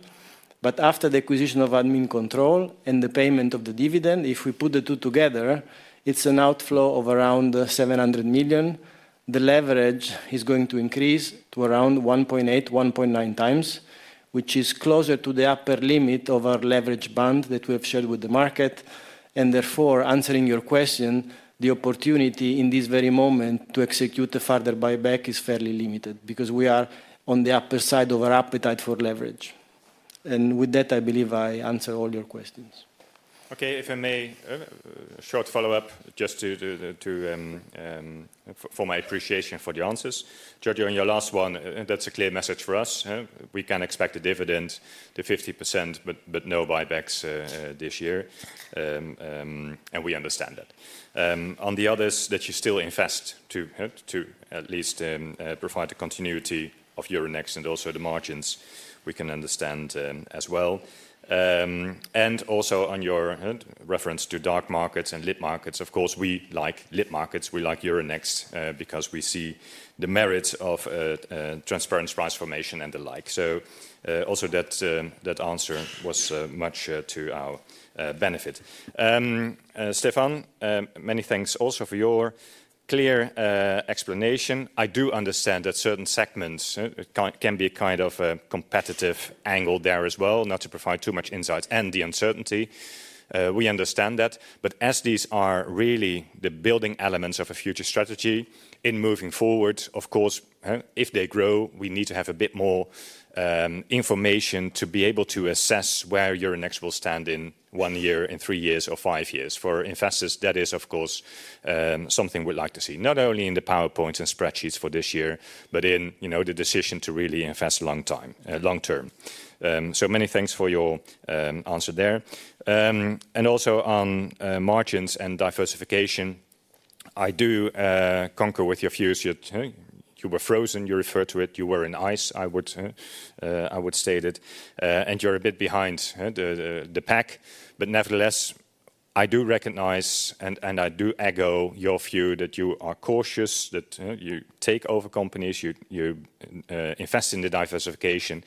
After the acquisition of Admincontrol and the payment of the dividend, if we put the two together, it is an outflow of around 700 million. The leverage is going to increase to around 1.8-1.9 times, which is closer to the upper limit of our leverage band that we have shared with the market. Therefore, answering your question, the opportunity in this very moment to execute a further buyback is fairly limited because we are on the upper side of our appetite for leverage. With that, I believe I answer all your questions. Okay, if I may, a short follow-up just for my appreciation for the answers. Giorgio, on your last one, that's a clear message for us. We can expect a dividend, the 50%, but no buybacks this year. We understand that. On the others, that you still invest to at least provide the continuity of Euronext and also the margins, we can understand as well. Also on your reference to dark markets and lit markets, of course, we like lit markets. We like Euronext because we see the merits of transparent price formation and the like. Also that answer was much to our benefit. Stéphane, many thanks also for your clear explanation. I do understand that certain segments can be a kind of a competitive angle there as well, not to provide too much insights and the uncertainty. We understand that. As these are really the building elements of a future strategy in moving forward, of course, if they grow, we need to have a bit more information to be able to assess where Euronext will stand in one year, in three years, or five years. For investors, that is, of course, something we'd like to see, not only in the PowerPoints and spreadsheets for this year, but in the decision to really invest long-term. Many thanks for your answer there. Also on margins and diversification, I do concur with your views. You were frozen. You referred to it. You were in ice, I would state it. You're a bit behind the pack. Nevertheless, I do recognize and I do echo your view that you are cautious, that you take over companies, you invest in the diversification.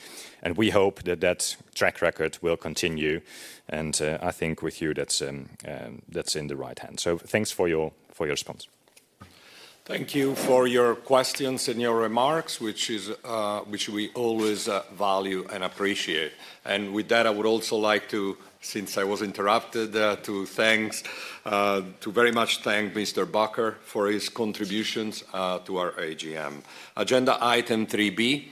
We hope that that track record will continue. I think with you, that's in the right hand. Thanks for your response. Thank you for your questions and your remarks, which we always value and appreciate. With that, I would also like to, since I was interrupted, very much thank Mr. Bakker for his contributions to our AGM. Agenda item 3B,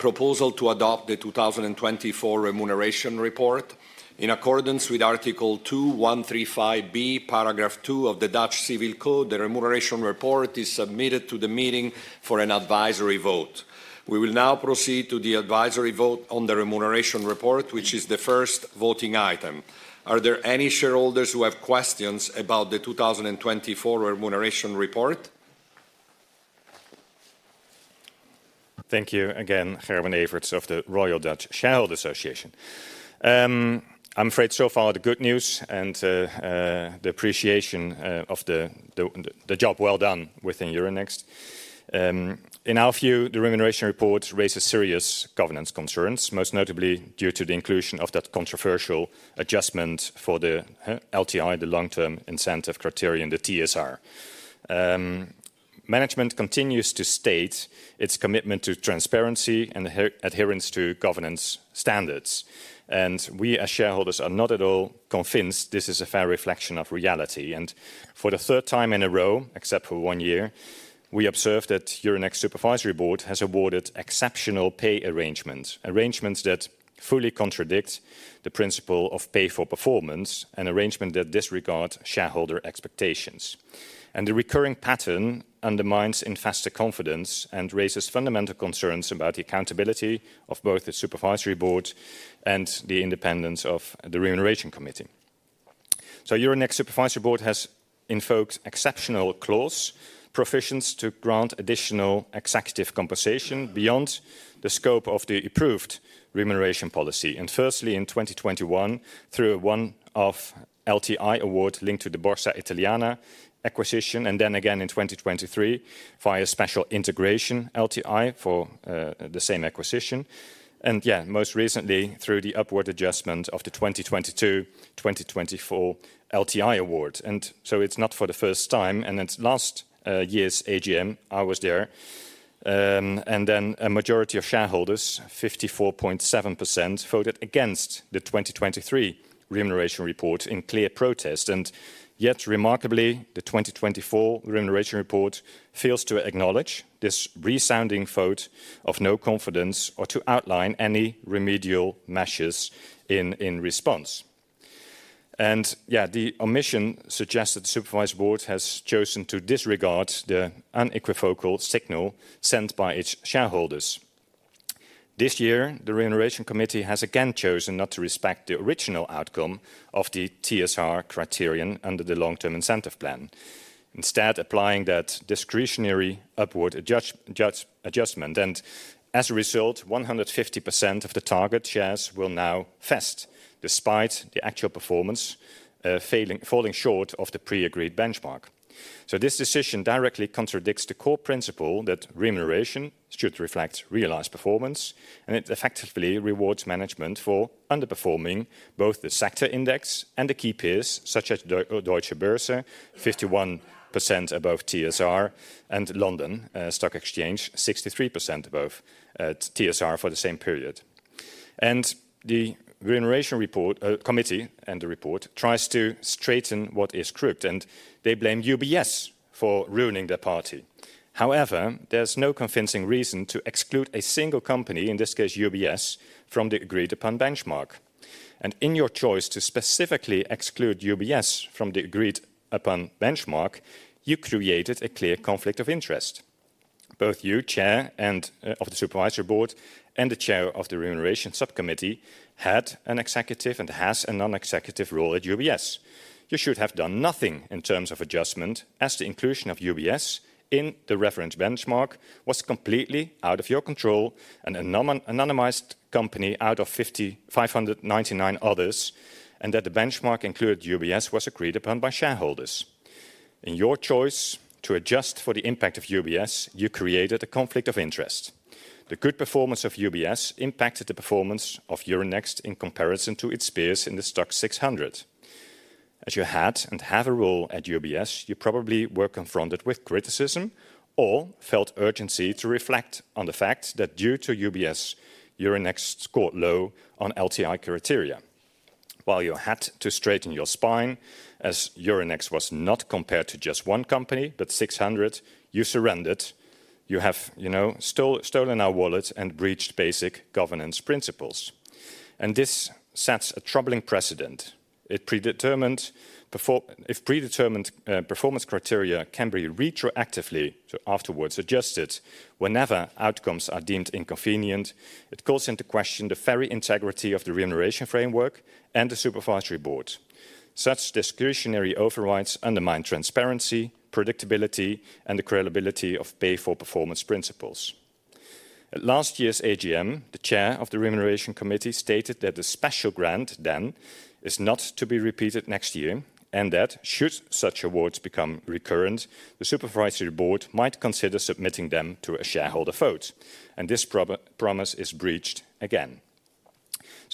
proposal to adopt the 2024 remuneration report. In accordance with Article 2:135b, paragraph 2 of the Dutch Civil Code, the remuneration report is submitted to the meeting for an advisory vote. We will now proceed to the advisory vote on the remuneration report, which is the first voting item. Are there any shareholders who have questions about the 2024 remuneration report? Thank you again, Gerben Everts of the Royal Dutch Shareholders Association. I'm afraid so far the good news and the appreciation of the job well done within Euronext. In our view, the remuneration report raises serious governance concerns, most notably due to the inclusion of that controversial adjustment for the LTI, the Long-Term Incentive Criterion, the TSR. Management continues to state its commitment to transparency and adherence to governance standards. We, as shareholders, are not at all convinced this is a fair reflection of reality. For the third time in a row, except for one year, we observe that Euronext Supervisory Board has awarded exceptional pay arrangements, arrangements that fully contradict the principle of pay for performance, an arrangement that disregards shareholder expectations. The recurring pattern undermines investor confidence and raises fundamental concerns about the accountability of both the Supervisory Board and the independence of the remuneration committee. Euronext Supervisory Board has invoked exceptional clause provisions to grant additional executive compensation beyond the scope of the approved remuneration policy. Firstly, in 2021, through a one-off LTI award linked to the Borsa Italiana acquisition, and then again in 2023 via a special integration LTI for the same acquisition. Most recently, through the upward adjustment of the 2022-2024 LTI award. It is not for the first time. In last year's AGM, I was there. A majority of shareholders, 54.7%, voted against the 2023 remuneration report in clear protest. Yet, remarkably, the 2024 remuneration report fails to acknowledge this resounding vote of no confidence or to outline any remedial measures in response. Yeah, the omission suggests that the Supervisory Board has chosen to disregard the unequivocal signal sent by its shareholders. This year, the Remuneration Committee has again chosen not to respect the original outcome of the TSR criterion under the Long-Term Incentive Plan, instead applying that discretionary upward adjustment. As a result, 150% of the target shares will now vest despite the actual performance falling short of the pre-agreed benchmark. This decision directly contradicts the core principle that remuneration should reflect realized performance, and it effectively rewards management for underperforming both the sector index and the key peers such as Deutsche Börse, 51% above TSR, and London Stock Exchange, 63% above TSR for the same period. The Remuneration Committee and the report tries to straighten what is crooked, and they blame UBS for ruining their party. However, there's no convincing reason to exclude a single company, in this case UBS, from the agreed-upon benchmark. In your choice to specifically exclude UBS from the agreed-upon benchmark, you created a clear conflict of interest. Both you, Chair of the Supervisory Board, and the Chair of the Remuneration Subcommittee had an executive and has a non-executive role at UBS. You should have done nothing in terms of adjustment as the inclusion of UBS in the reference benchmark was completely out of your control, an anonymized company out of 599 others, and that the benchmark included UBS was agreed upon by shareholders. In your choice to adjust for the impact of UBS, you created a conflict of interest. The good performance of UBS impacted the performance of Euronext in comparison to its peers in the STOXX 600. As you had and have a role at UBS, you probably were confronted with criticism or felt urgency to reflect on the fact that due to UBS, Euronext scored low on LTI criteria. While you had to straighten your spine as Euronext was not compared to just one company, but 600, you surrendered. You have stolen our wallet and breached basic governance principles. This sets a troubling precedent. If predetermined performance criteria can be retroactively or afterwards adjusted whenever outcomes are deemed inconvenient, it calls into question the very integrity of the remuneration framework and the Supervisory Board. Such discretionary overrides undermine transparency, predictability, and the credibility of pay-for-performance principles. At last year's AGM, the Chair of the Remuneration Committee stated that the special grant then is not to be repeated next year and that should such awards become recurrent, the Supervisory Board might consider submitting them to a shareholder vote. This promise is breached again.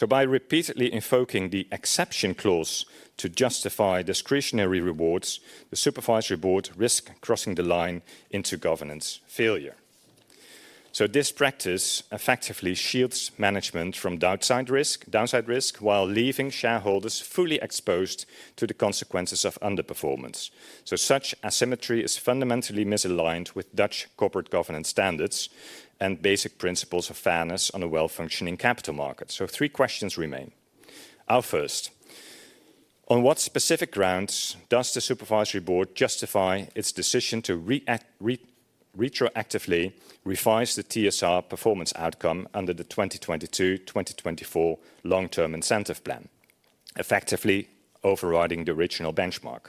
By repeatedly invoking the exception clause to justify discretionary rewards, the Supervisory Board risks crossing the line into governance failure. This practice effectively shields management from downside risk while leaving shareholders fully exposed to the consequences of underperformance. Such asymmetry is fundamentally misaligned with Dutch corporate governance standards and basic principles of fairness on a well-functioning capital market. Three questions remain. Our first, on what specific grounds does the Supervisory Board justify its decision to retroactively revise the TSR performance outcome under the 2022-2024 Long-Term Incentive Plan, effectively overriding the original benchmark?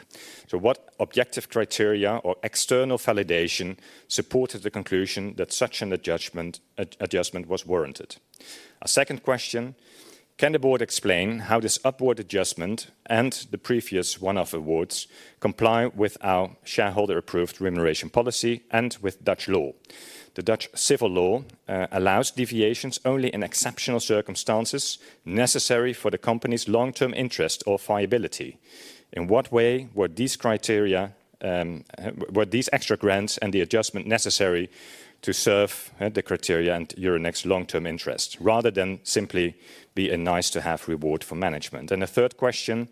What objective criteria or external validation supported the conclusion that such an adjustment was warranted? Our second question, can the Board explain how this upward adjustment and the previous one-off awards comply with our shareholder-approved remuneration policy and with Dutch law? The Dutch civil law allows deviations only in exceptional circumstances necessary for the company's long-term interest or viability. In what way were these criteria, were these extra grants and the adjustment necessary to serve the criteria and Euronext's long-term interest rather than simply be a nice-to-have reward for management? A third question,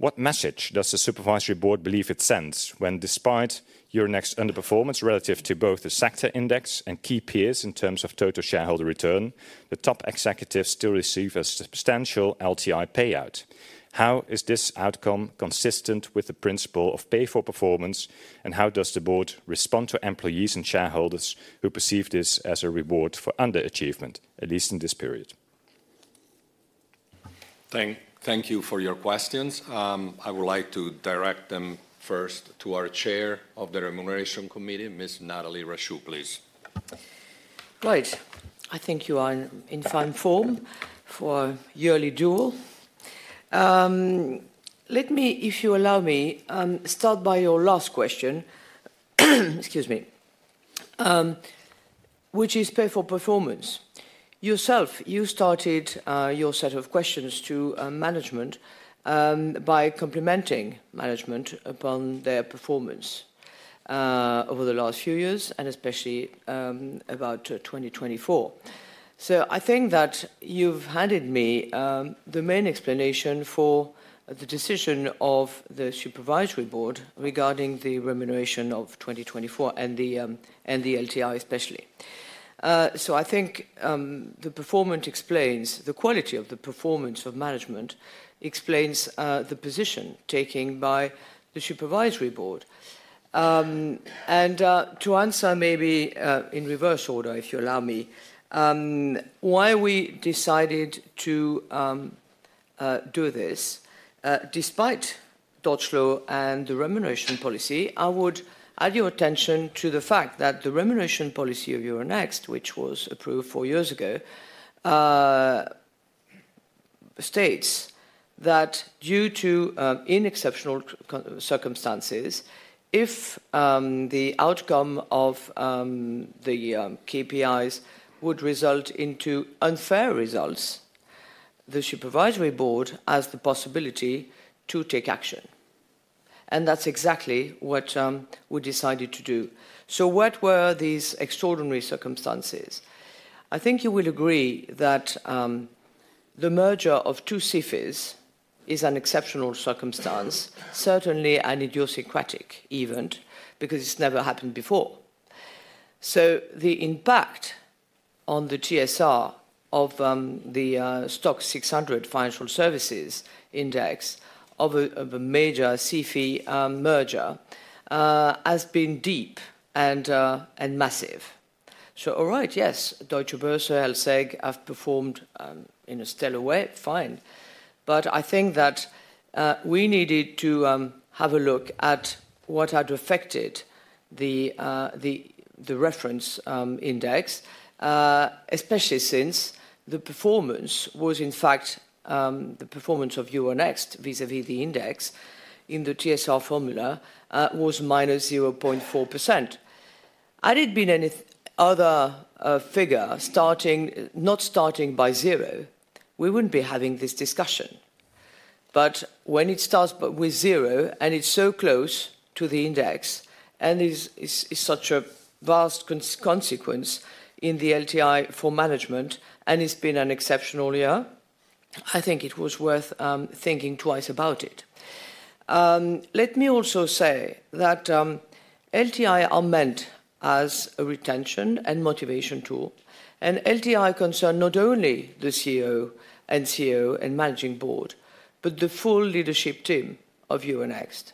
what message does the Supervisory Board believe it sends when, despite Euronext's underperformance relative to both the sector index and key peers in terms of total shareholder return, the top executives still receive a substantial LTI payout? How is this outcome consistent with the principle of pay-for-performance, and how does the board respond to employees and shareholders who perceive this as a reward for underachievement, at least in this period? Thank you for your questions. I would like to direct them first to our Chair of the Remuneration Committee, Ms. Nathalie Rachou, please. Right. I think you are in fine form for a yearly duel. Let me, if you allow me, start by your last question, excuse me, which is pay-for-performance. Yourself, you started your set of questions to management by complimenting management upon their performance over the last few years, and especially about 2024. I think that you have handed me the main explanation for the decision of the Supervisory Board regarding the remuneration of 2024 and the LTI especially. I think the performance explains, the quality of the performance of management explains the position taken by the Supervisory Board. To answer maybe in reverse order, if you allow me, why we decided to do this, despite Dutch law and the remuneration policy, I would add your attention to the fact that the remuneration policy of Euronext, which was approved four years ago, states that due to in exceptional circumstances, if the outcome of the KPIs would result in unfair results, the Supervisory Board has the possibility to take action. That is exactly what we decided to do. What were these extraordinary circumstances? I think you will agree that the merger of two CFIs is an exceptional circumstance, certainly an idiosyncratic event, because it has never happened before. The impact on the TSR of the STOXX 600 Financial Services Index of a major CFI merger has been deep and massive. All right, yes, Deutsche Börse, LSEG have performed in a stellar way, fine. I think that we needed to have a look at what had affected the reference index, especially since the performance was, in fact, the performance of Euronext vis-à-vis the index in the TSR formula was -0.4%. Had it been any other figure, not starting by zero, we would not be having this discussion. When it starts with zero and it is so close to the index and is such a vast consequence in the LTI for management and it has been an exceptional year, I think it was worth thinking twice about it. Let me also say that LTI are meant as a retention and motivation tool, and LTI concern not only the CEO and CEO and managing board, but the full leadership team of Euronext.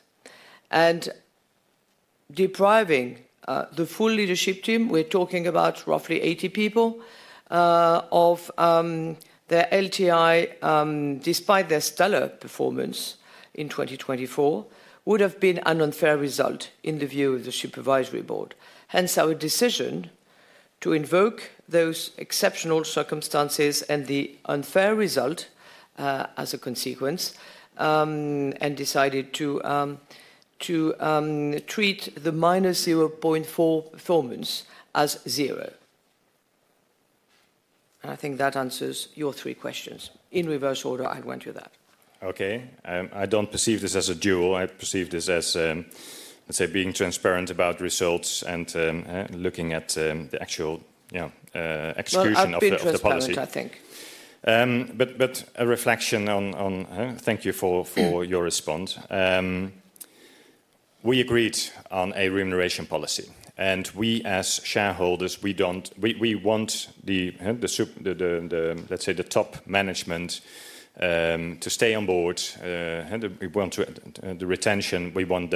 Depriving the full leadership team, we're talking about roughly 80 people, of their LTI, despite their stellar performance in 2024, would have been an unfair result in the view of the Supervisory Board. Hence, our decision to invoke those exceptional circumstances and the unfair result as a consequence and decided to treat the -0.4 performance as zero. I think that answers your three questions. In reverse order, I went with that. Okay. I do not perceive this as a duel. I perceive this as, let's say, being transparent about results and looking at the actual execution of the policy. A bit transparent, I think. A reflection on, thank you for your response. We agreed on a remuneration policy. We, as shareholders, want the, let's say, the top management to stay on board. We want the retention. We want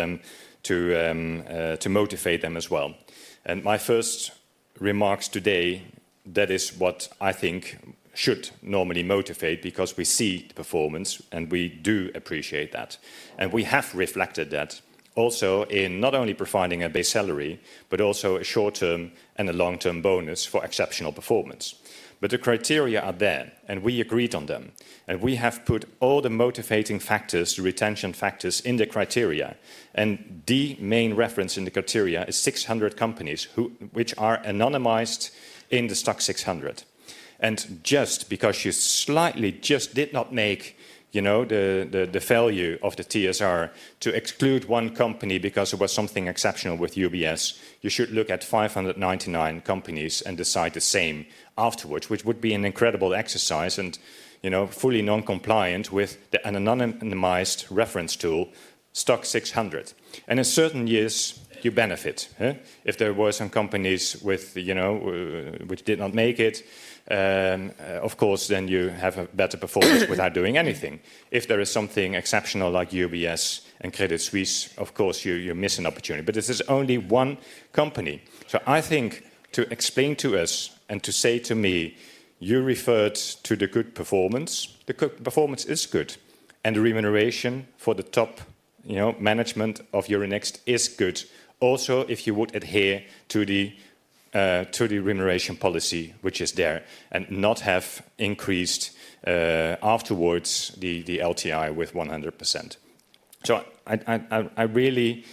to motivate them as well. My first remarks today, that is what I think should normally motivate because we see the performance and we do appreciate that. We have reflected that also in not only providing a base salary, but also a short-term and a long-term bonus for exceptional performance. The criteria are there and we agreed on them. We have put all the motivating factors, retention factors in the criteria. The main reference in the criteria is 600 companies which are anonymized in the STOXX 600. Just because you slightly just did not make the failure of the TSR to exclude one company because it was something exceptional with UBS, you should look at 599 companies and decide the same afterwards, which would be an incredible exercise and fully non-compliant with an anonymized reference tool, STOXX 600. In certain years, you benefit. If there were some companies which did not make it, of course, then you have a better performance without doing anything. If there is something exceptional like UBS and Credit Suisse, of course, you miss an opportunity. This is only one company. I think to explain to us and to say to me, you referred to the good performance, the good performance is good, and the remuneration for the top management of Euronext is good. Also, if you would adhere to the remuneration policy which is there and not have increased afterwards the LTI with 100%. I really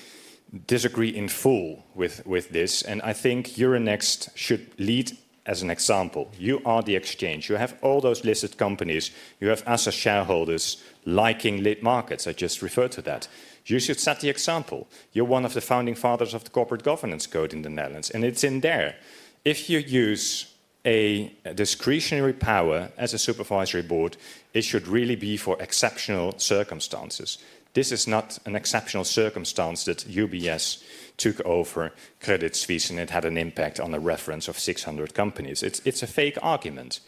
disagree in full with this. I think Euronext should lead as an example. You are the exchange. You have all those listed companies. You have asset shareholders liking late markets. I just referred to that. You should set the example. You're one of the founding fathers of the Corporate Governance Code in the Netherlands, and it's in there. If you use a discretionary power as a Supervisory Board, it should really be for exceptional circumstances. This is not an exceptional circumstance that UBS took over Credit Suisse and it had an impact on a reference of 600 companies. It's a fake argument.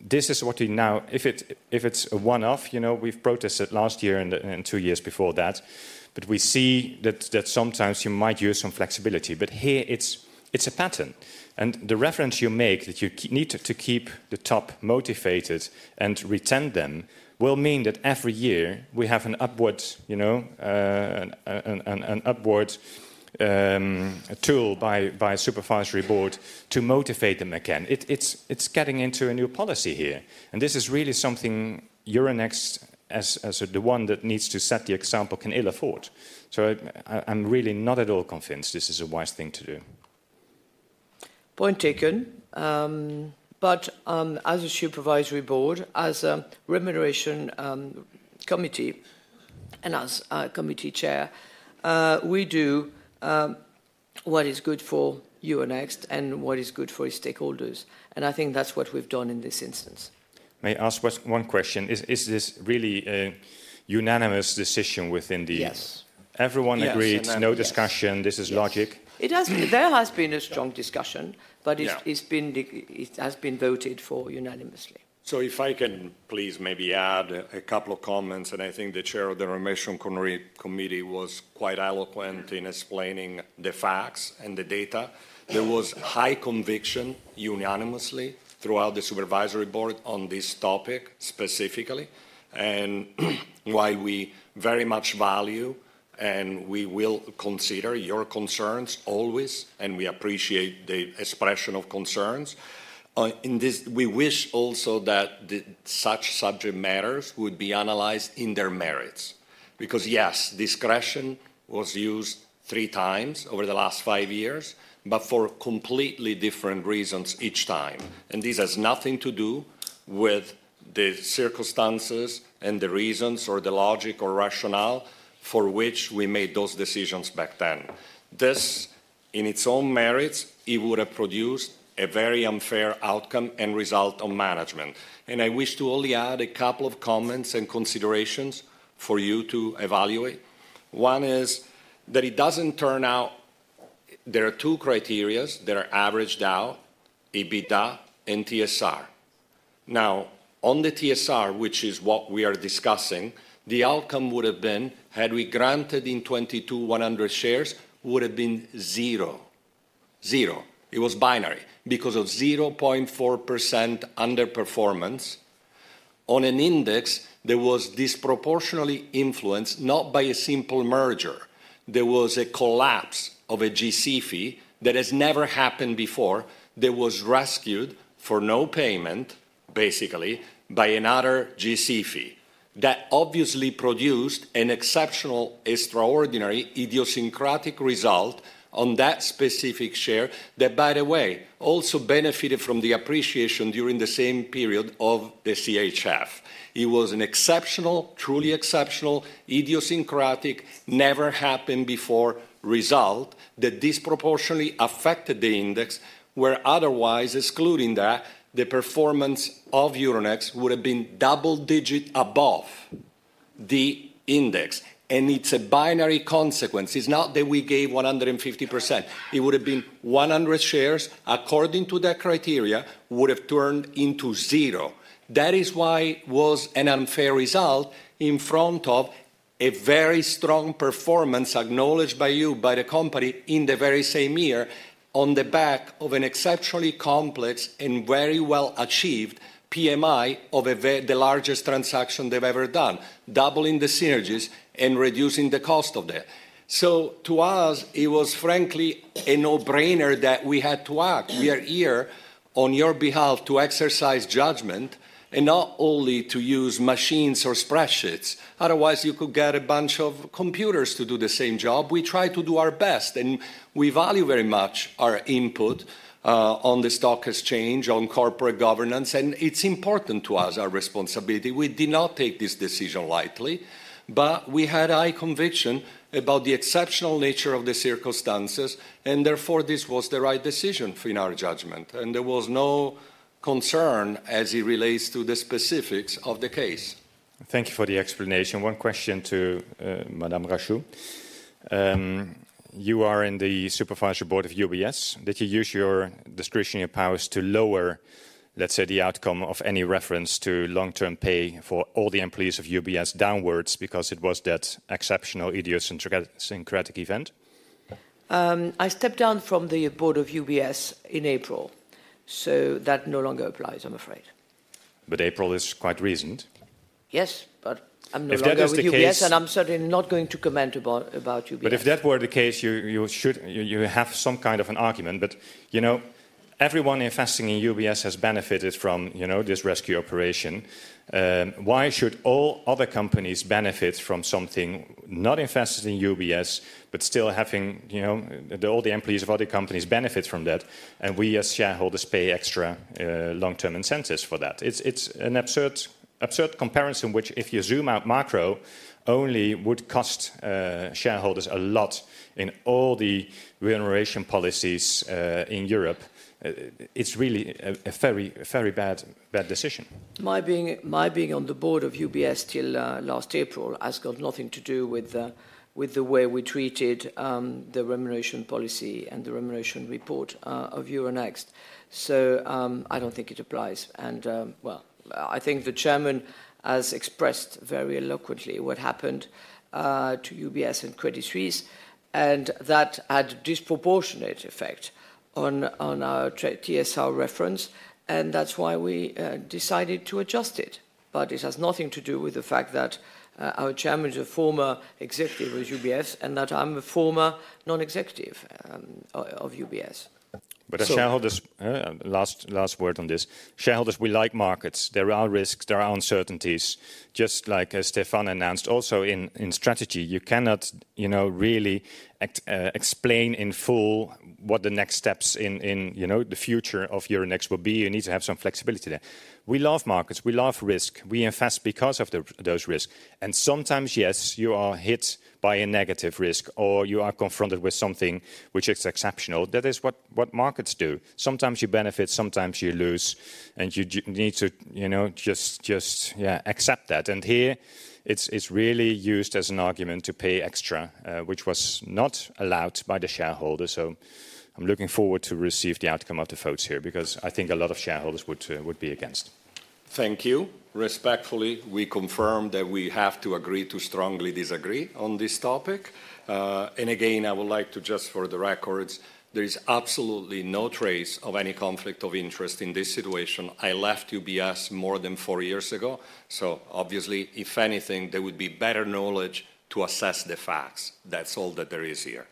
This is what we now, if it's a one-off, we've protested last year and two years before that, but we see that sometimes you might use some flexibility. Here, it's a pattern. The reference you make that you need to keep the top motivated and retent them will mean that every year we have an upward tool by a Supervisory Board to motivate them again. It's getting into a new policy here. This is really something Euronext, as the one that needs to set the example, can ill afford. I'm really not at all convinced this is a wise thing to do. Point taken. As a Supervisory Board, as a Remuneration Committee and as a committee chair, we do what is good for Euronext and what is good for its stakeholders. I think that's what we've done in this instance. May I ask one question? Is this really a unanimous decision within the? Yes. Everyone agreed, no discussion, this is logic. There has been a strong discussion, but it has been voted for unanimously. If I can please maybe add a couple of comments. I think the Chair of the Remuneration Committee was quite eloquent in explaining the facts and the data. There was high conviction unanimously throughout the Supervisory Board on this topic specifically. While we very much value and we will consider your concerns always, and we appreciate the expression of concerns, we wish also that such subject matters would be analyzed in their merits. Because yes, discretion was used three times over the last five years, but for completely different reasons each time. This has nothing to do with the circumstances and the reasons or the logic or rationale for which we made those decisions back then. This, in its own merits, it would have produced a very unfair outcome and result on management. I wish to only add a couple of comments and considerations for you to evaluate. One is that it does not turn out there are two criteria that are averaged out, EBITDA and TSR. Now, on the TSR, which is what we are discussing, the outcome would have been, had we granted in 2022 100 shares, would have been zero. Zero. It was binary. Because of 0.4% underperformance on an index, there was disproportionately influenced, not by a simple merger. There was a collapse of a GC fee that has never happened before. There was rescued for no payment, basically, by another GC fee. That obviously produced an exceptional, extraordinary, idiosyncratic result on that specific share that, by the way, also benefited from the appreciation during the same period of the CHF. It was an exceptional, truly exceptional, idiosyncratic, never happened before result that disproportionately affected the index, where otherwise, excluding that, the performance of Euronext would have been double-digit above the index. It is a binary consequence. It is not that we gave 150%. It would have been 100 shares, according to that criteria, would have turned into zero. That is why it was an unfair result in front of a very strong performance acknowledged by you, by the company in the very same year on the back of an exceptionally complex and very well-achieved PMI of the largest transaction they have ever done, doubling the synergies and reducing the cost of that. To us, it was frankly a no-brainer that we had to act. We are here on your behalf to exercise judgment and not only to use machines or spreadsheets. Otherwise, you could get a bunch of computers to do the same job. We try to do our best, and we value very much our input on the stock exchange, on corporate governance, and it's important to us, our responsibility. We did not take this decision lightly, but we had high conviction about the exceptional nature of the circumstances, and therefore this was the right decision in our judgment. There was no concern as it relates to the specifics of the case. Thank you for the explanation. One question to Madame Rachou. You are in the Supervisory Board of UBS. Did you use your discretionary powers to lower, let's say, the outcome of any reference to long-term pay for all the employees of UBS downwards because it was that exceptional idiosyncratic event? I stepped down from the Board of UBS in April. That no longer applies, I'm afraid. April is quite recent. Yes, but I'm no longer with UBS, and I'm certainly not going to comment about UBS. If that were the case, you have some kind of an argument. Everyone investing in UBS has benefited from this rescue operation. Why should all other companies benefit from something not invested in UBS, but still having all the employees of other companies benefit from that, and we as shareholders pay extra long-term incentives for that? It is an absurd comparison which, if you zoom out macro, only would cost shareholders a lot in all the remuneration policies in Europe. It is really a very bad decision. My being on the Board of UBS till last April has got nothing to do with the way we treated the remuneration policy and the remuneration report of Euronext. I do not think it applies. I think the Chairman has expressed very eloquently what happened to UBS and Credit Suisse, and that had a disproportionate effect on our TSR reference, and that is why we decided to adjust it. It has nothing to do with the fact that our Chairman is a former executive with UBS and that I am a former non-executive of UBS. A shareholder, last word on this. Shareholders, we like markets. There are risks, there are uncertainties. Just like Stéphane announced, also in strategy, you cannot really explain in full what the next steps in the future of Euronext will be. You need to have some flexibility there. We love markets, we love risk. We invest because of those risks. Sometimes, yes, you are hit by a negative risk or you are confronted with something which is exceptional. That is what markets do. Sometimes you benefit, sometimes you lose, and you need to just accept that. Here, it is really used as an argument to pay extra, which was not allowed by the shareholders. I am looking forward to receive the outcome of the votes here because I think a lot of shareholders would be against. Thank you. Respectfully, we confirm that we have to agree to strongly disagree on this topic. Again, I would like to just, for the records, there is absolutely no trace of any conflict of interest in this situation. I left UBS more than four years ago. Obviously, if anything, there would be better knowledge to assess the facts. That's all that there is here.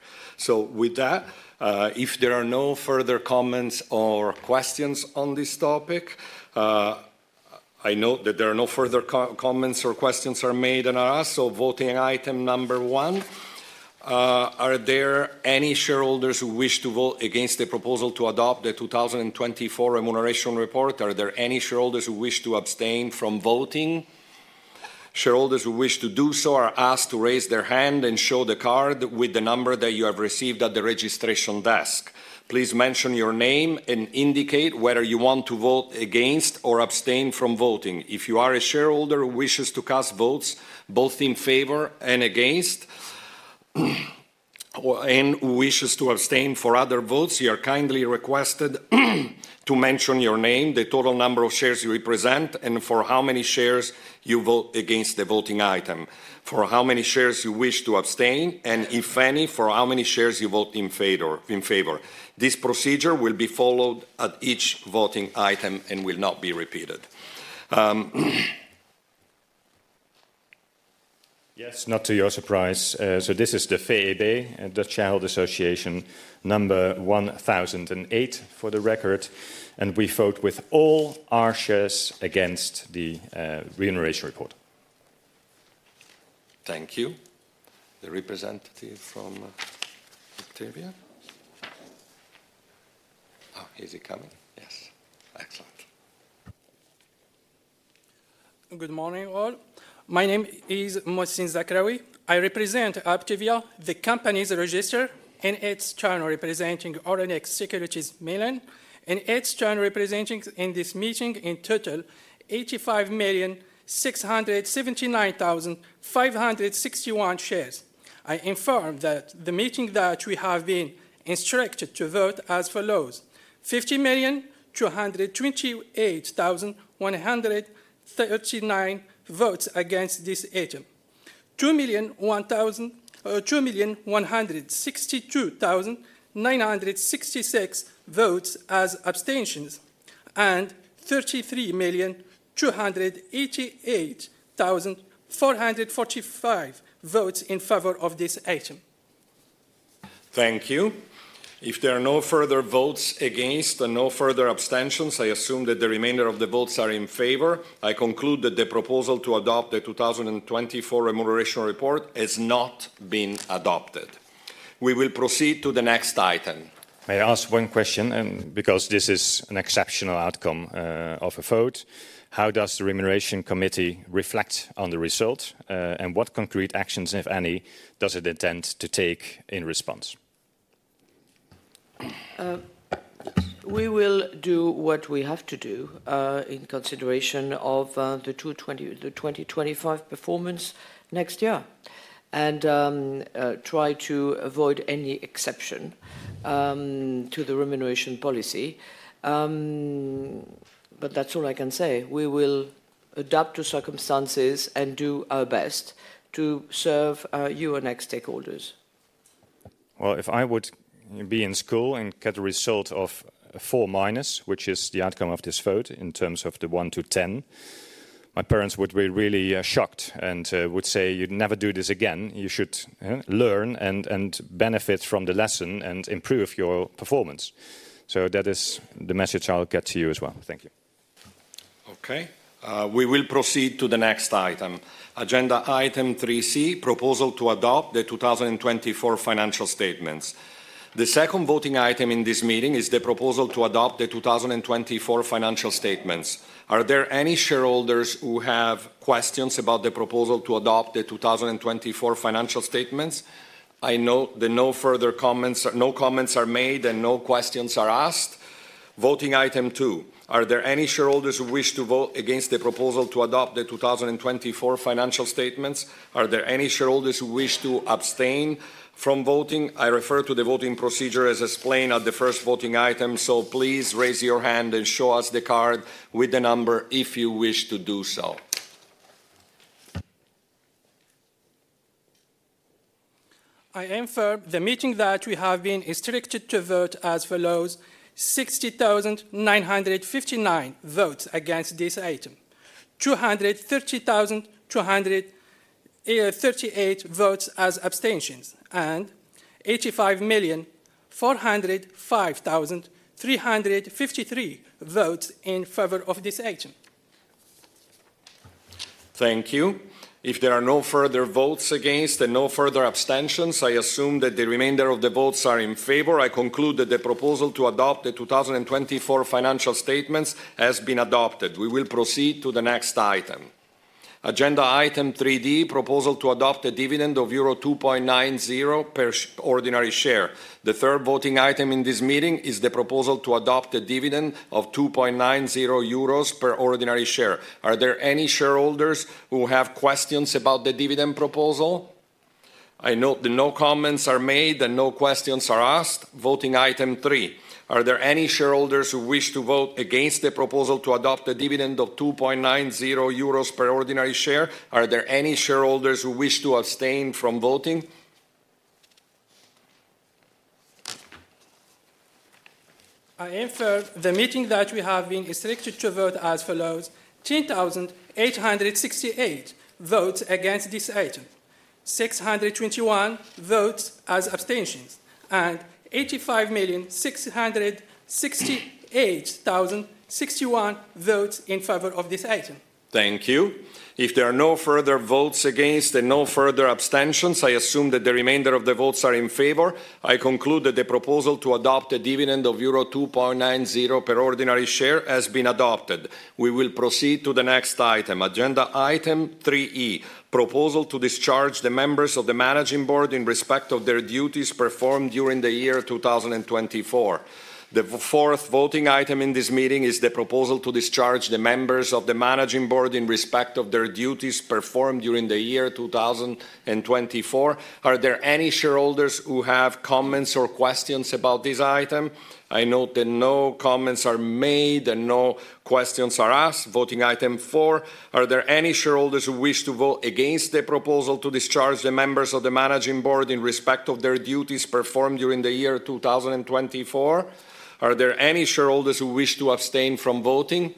With that, if there are no further comments or questions on this topic, I note that there are no further comments or questions made and are also voting item number one. Are there any shareholders who wish to vote against the proposal to adopt the 2024 remuneration report? Are there any shareholders who wish to abstain from voting? Shareholders who wish to do so are asked to raise their hand and show the card with the number that you have received at the registration desk. Please mention your name and indicate whether you want to vote against or abstain from voting. If you are a shareholder who wishes to cast votes both in favor and against and wishes to abstain for other votes, you are kindly requested to mention your name, the total number of shares you represent, and for how many shares you vote against the voting item, for how many shares you wish to abstain, and if any, for how many shares you vote in favor. This procedure will be followed at each voting item and will not be repeated. Yes, not to your surprise. This is the VEB, the Child Association, number 1008 for the record. We vote with all our shares against the remuneration report. Thank you. The representative from Uptevia. Oh, is he coming? Yes. Excellent. Good morning, all. My name is Mohcine Zakraoui. I represent Uptevia, the company's registrar and its chairman representing Euronext Securities Mainland, and its chairman representing in this meeting in total 85,679,561 shares. I inform that the meeting that we have been instructed to vote as follows: 50,228,139 votes against this item, 2,162,966 votes as abstentions, and 33,288,445 votes in favor of this item. Thank you. If there are no further votes against and no further abstentions, I assume that the remainder of the votes are in favor. I conclude that the proposal to adopt the 2024 remuneration report has not been adopted. We will proceed to the next item. May I ask one question? Because this is an exceptional outcome of a vote, how does the remuneration committee reflect on the result? What concrete actions, if any, does it intend to take in response? We will do what we have to do in consideration of the 2025 performance next year and try to avoid any exception to the remuneration policy. That is all I can say. We will adapt to circumstances and do our best to serve Euronext stakeholders. If I would be in school and get a result of four minus, which is the outcome of this vote in terms of the one to ten, my parents would be really shocked and would say, "You never do this again. You should learn and benefit from the lesson and improve your performance." That is the message I'll get to you as well. Thank you. Okay. We will proceed to the next item. Agenda item 3C, proposal to adopt the 2024 financial statements. The second voting item in this meeting is the proposal to adopt the 2024 financial statements. Are there any shareholders who have questions about the proposal to adopt the 2024 financial statements? I know that no further comments are made and no questions are asked. Voting item two, are there any shareholders who wish to vote against the proposal to adopt the 2024 financial statements? Are there any shareholders who wish to abstain from voting? I refer to the voting procedure as explained at the first voting item, so please raise your hand and show us the card with the number if you wish to do so. I infer, the meeting that we have been instructed to vote as follows: 60,959 votes against this item, 230,238 votes as abstentions, and 85,405,353 votes in favor of this item. Thank you. If there are no further votes against and no further abstentions, I assume that the remainder of the votes are in favor. I conclude that the proposal to adopt the 2024 financial statements has been adopted. We will proceed to the next item. Agenda item 3D, proposal to adopt a dividend of euro 2.90 per ordinary share. The third voting item in this meeting is the proposal to adopt a dividend of 2.90 euros per ordinary share. Are there any shareholders who have questions about the dividend proposal? I note that no comments are made and no questions are asked. Voting item three, are there any shareholders who wish to vote against the proposal to adopt a dividend of 2.90 euros per ordinary share? Are there any shareholders who wish to abstain from voting? I infer, the meeting that we have been instructed to vote as follows: 10,868 votes against this item, 621 votes as abstentions, and 85,668,061 votes in favor of this item. Thank you. If there are no further votes against and no further abstentions, I assume that the remainder of the votes are in favor. I conclude that the proposal to adopt a dividend of euro 2.90 per ordinary share has been adopted. We will proceed to the next item. Agenda item 3E, proposal to discharge the members of the Managing Board in respect of their duties performed during the year 2024. The fourth voting item in this meeting is the proposal to discharge the members of the Managing Board in respect of their duties performed during the year 2024. Are there any shareholders who have comments or questions about this item? I note that no comments are made and no questions are asked. Voting item four, are there any shareholders who wish to vote against the proposal to discharge the members of the Managing Board in respect of their duties performed during the year 2024? Are there any shareholders who wish to abstain from voting?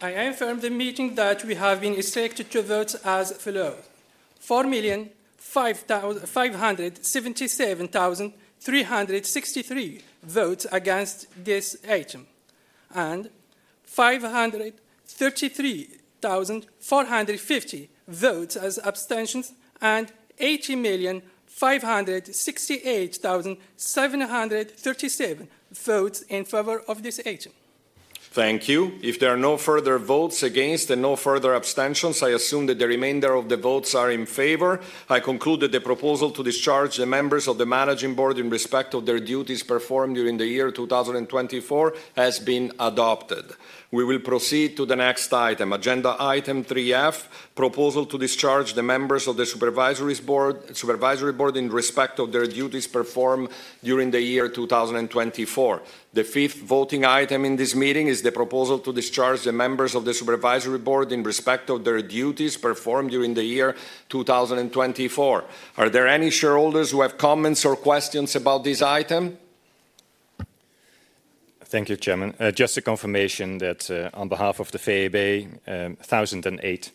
I infer, the meeting that we have been instructed to vote as follows: 4,577,363 votes against this item, and 533,450 votes as abstentions, and 80,568,737 votes in favor of this item. Thank you. If there are no further votes against and no further abstentions, I assume that the remainder of the votes are in favor. I conclude that the proposal to discharge the members of the Managing Board in respect of their duties performed during the year 2024 has been adopted. We will proceed to the next item. Agenda item 3F, proposal to discharge the members of the Supervisory Board in respect of their duties performed during the year 2024. The fifth voting item in this meeting is the proposal to discharge the members of the Supervisory Board in respect of their duties performed during the year 2024. Are there any shareholders who have comments or questions about this item? Thank you, Chairman. Just a confirmation that on behalf of the VEB, 1008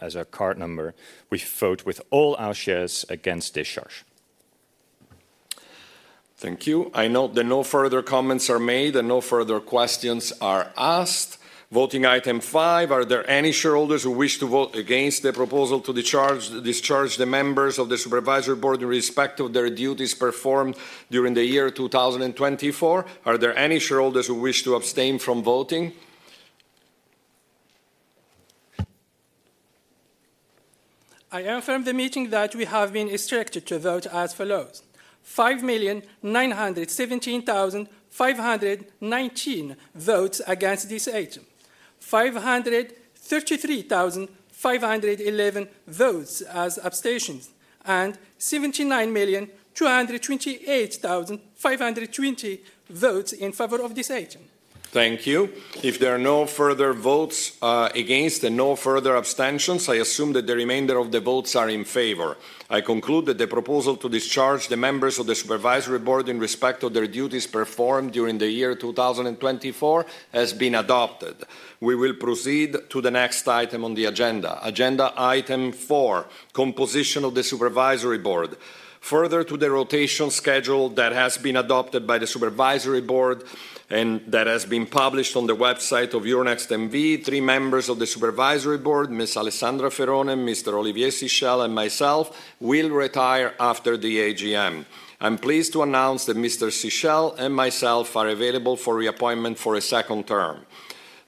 as our card number, we vote with all our shares against discharge. Thank you. I note that no further comments are made and no further questions are asked. Voting item five, are there any shareholders who wish to vote against the proposal to discharge the members of the Supervisory Board in respect of their duties performed during the year 2024? Are there any shareholders who wish to abstain from voting? I infer, the meeting that we have been instructed to vote as follows: 5,917,519 votes against this item, 533,511 votes as abstentions, and 79,228,520 votes in favor of this item. Thank you. If there are no further votes against and no further abstentions, I assume that the remainder of the votes are in favor. I conclude that the proposal to discharge the members of the Supervisory Board in respect of their duties performed during the year 2024 has been adopted. We will proceed to the next item on the agenda. Agenda item four, composition of the Supervisory Board. Further to the rotation schedule that has been adopted by the Supervisory Board and that has been published on the website of Euronext N.V., three members of the Supervisory Board, Ms. Alessandra Ferone, Mr. Olivier Sichel, and myself, will retire after the AGM. I'm pleased to announce that Mr. Sichel and myself are available for reappointment for a second term.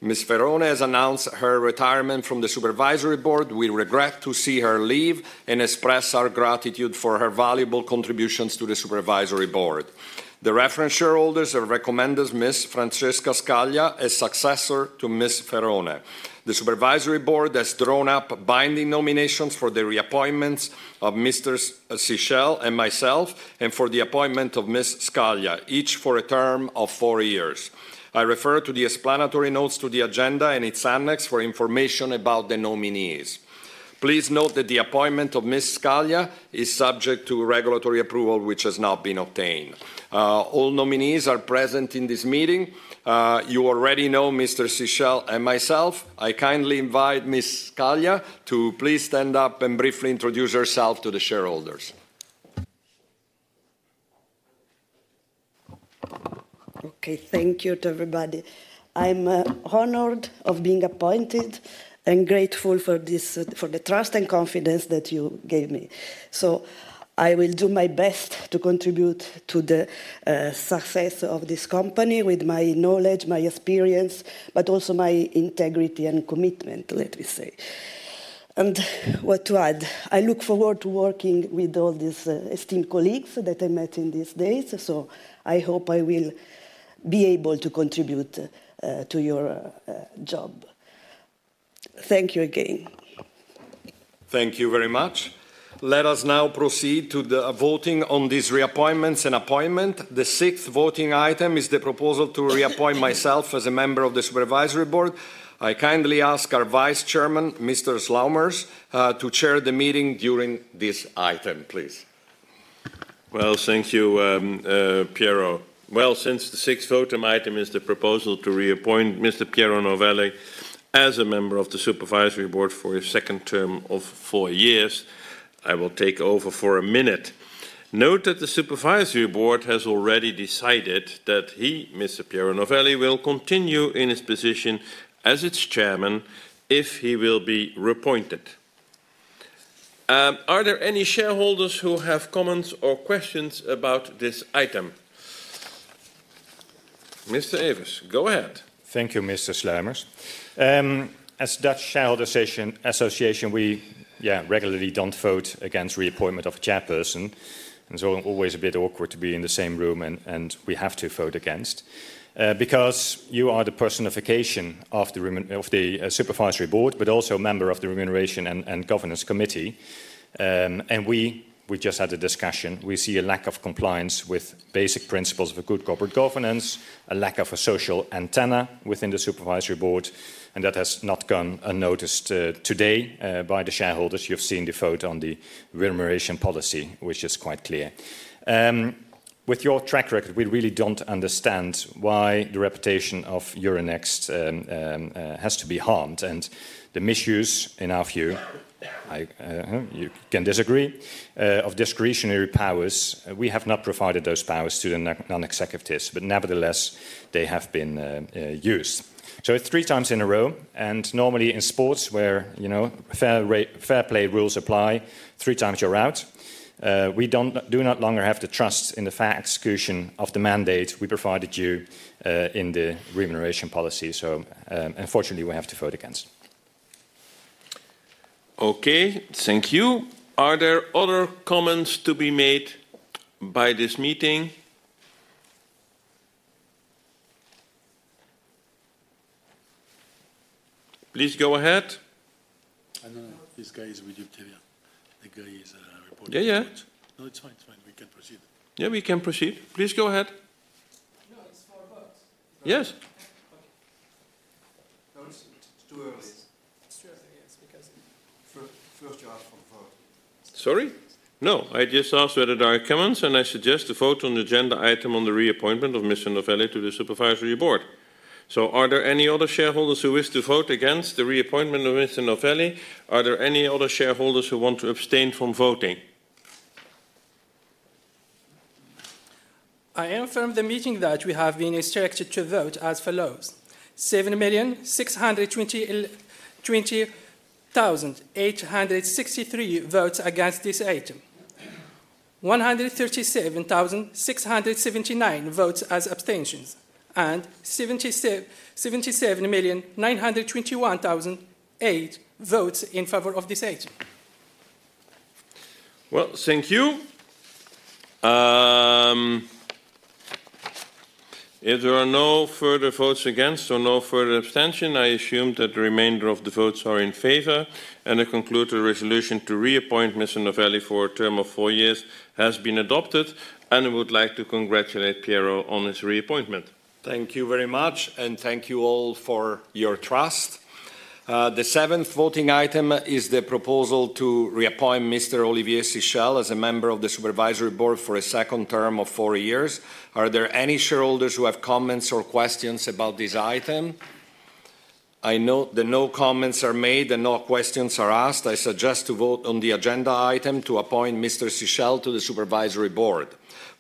Ms. Ferone has announced her retirement from the Supervisory Board. We regret to see her leave and express our gratitude for her valuable contributions to the Supervisory Board. The reference shareholders are recommending Ms. Francesca Scaglia, a successor to Ms. Ferone. The Supervisory Board has drawn up binding nominations for the reappointments of Mr. Sichel and myself, and for the appointment of Ms. Scaglia, each for a term of four years. I refer to the explanatory notes to the agenda and its annex for information about the nominees. Please note that the appointment of Ms. Scaglia is subject to regulatory approval, which has not been obtained. All nominees are present in this meeting. You already know Mr. Sichel and myself. I kindly invite Ms. Scaglia to please stand up and briefly introduce herself to the shareholders. Okay, thank you to everybody. I'm honored of being appointed and grateful for the trust and confidence that you gave me. I will do my best to contribute to the success of this company with my knowledge, my experience, but also my integrity and commitment, let me say. What to add? I look forward to working with all these esteemed colleagues that I met in these days. I hope I will be able to contribute to your job. Thank you again. Thank you very much. Let us now proceed to the voting on these reappointments and appointments. The sixth voting item is the proposal to reappoint myself as a member of the Supervisory Board. I kindly ask our Vice Chairman, Mr. Sluimers, to chair the meeting during this item, please. Thank you, Piero. Since the sixth voting item is the proposal to reappoint Mr. Piero Novelli as a member of the Supervisory Board for a second term of four years, I will take over for a minute. Note that the Supervisory Board has already decided that he, Mr. Piero Novelli, will continue in his position as its Chairman if he will be reappointed. Are there any shareholders who have comments or questions about this item? Mr. Everts, go ahead. Thank you, Mr. Sluimers. As Dutch Shareholders Association, we, yeah, regularly do not vote against reappointment of a chairperson. I am always a bit awkward to be in the same room, and we have to vote against because you are the personification of the Supervisory Board, but also a member of the Remuneration and Governance Committee. We just had a discussion. We see a lack of compliance with basic principles of good corporate governance, a lack of a social antenna within the Supervisory Board. That has not gone unnoticed today by the shareholders. You have seen the vote on the remuneration policy, which is quite clear. With your track record, we really do not understand why the reputation of Euronext has to be harmed. The misuse, in our view, you can disagree, of discretionary powers, we have not provided those powers to the non-executives, but nevertheless, they have been used. Three times in a row, and normally in sports where fair play rules apply, three times you're out. We do not longer have the trust in the fair execution of the mandate we provided you in the remuneration policy. Unfortunately, we have to vote against. Okay, thank you. Are there other comments to be made by this meeting? Please go ahead. I don't know. This guy is with you, Kevin. The guy is reporting. Yeah, yeah. No, it's fine. It's fine. We can proceed. Yeah, we can proceed. Please go ahead. No, it's four votes. Yes. It's too early. It's too early, yes, because first you ask for the vote. Sorry? No, I just asked whether there are comments, and I suggest to vote on the agenda item on the reappointment of Mr. Novelli to the Supervisory Board. Are there any other shareholders who wish to vote against the reappointment of Mr. Novelli? Are there any other shareholders who want to abstain from voting? I infer, the meeting that we have been instructed to vote as follows: 7,620,863 votes against this item, 137,679 votes as abstentions, and 77,921,008 votes in favor of this item. Thank you. If there are no further votes against or no further abstention, I assume that the remainder of the votes are in favor, and I conclude the resolution to reappoint Mr. Novelli for a term of four years has been adopted. I would like to congratulate Piero on his reappointment. Thank you very much, and thank you all for your trust. The seventh voting item is the proposal to reappoint Mr. Olivier Sichel as a member of the Supervisory Board for a second term of four years. Are there any shareholders who have comments or questions about this item? I note that no comments are made and no questions are asked. I suggest to vote on the agenda item to appoint Mr. Sichel to the Supervisory Board.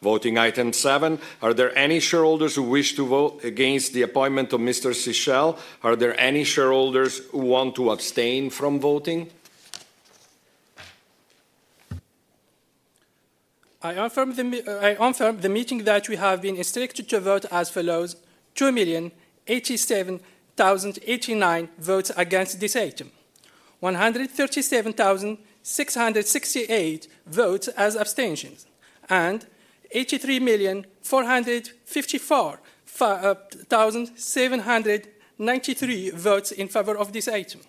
Voting item seven, are there any shareholders who wish to vote against the appointment of Mr. Sichel? Are there any shareholders who want to abstain from voting? I infer, the meeting that we have been instructed to vote as follows: 2,087,089 votes against this item, 137,668 votes as abstentions, and 83,454,793 votes in favor of this item.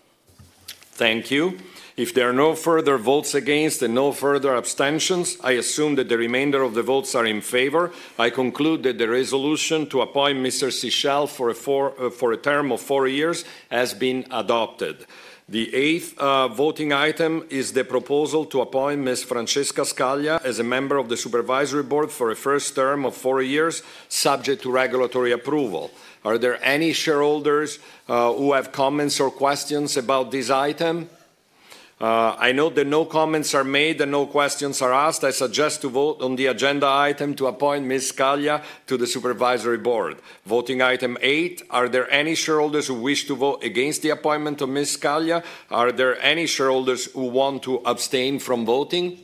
Thank you. If there are no further votes against and no further abstentions, I assume that the remainder of the votes are in favor. I conclude that the resolution to appoint Mr. Sichel for a term of four years has been adopted. The eighth voting item is the proposal to appoint Ms. Francesca Scaglia as a member of the Supervisory Board for a first term of four years, subject to regulatory approval. Are there any shareholders who have comments or questions about this item? I note that no comments are made and no questions are asked. I suggest to vote on the agenda item to appoint Ms. Scaglia to the Supervisory Board. Voting item eight, are there any shareholders who wish to vote against the appointment of Ms. Scaglia? Are there any shareholders who want to abstain from voting?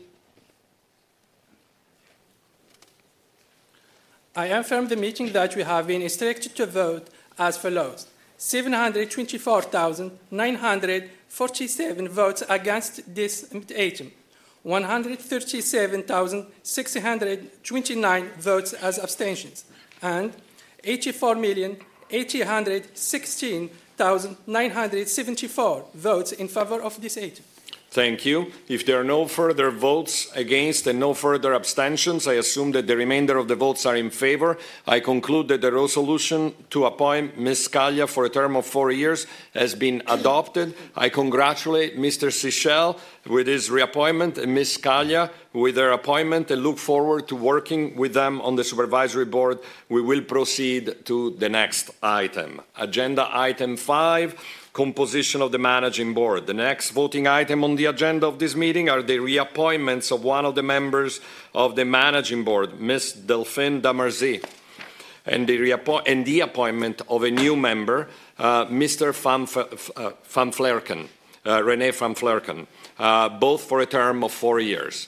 I infer, the meeting that we have been instructed to vote as follows: 724,947 votes against this item, 137,629 votes as abstentions, and 84,816,974 votes in favor of this item. Thank you. If there are no further votes against and no further abstentions, I assume that the remainder of the votes are in favor. I conclude that the resolution to appoint Ms. Scaglia for a term of four years has been adopted. I congratulate Mr. Sichel with his reappointment and Ms. Scaglia with their appointment and look forward to working with them on the Supervisory Board. We will proceed to the next item. Agenda item five, composition of the Managing Board. The next voting item on the agenda of this meeting are the reappointments of one of the members of the Managing Board, Ms. Delphine d'Amarzit, and the reappointment of a new member, Mr. René van Vlerken, both for a term of four years.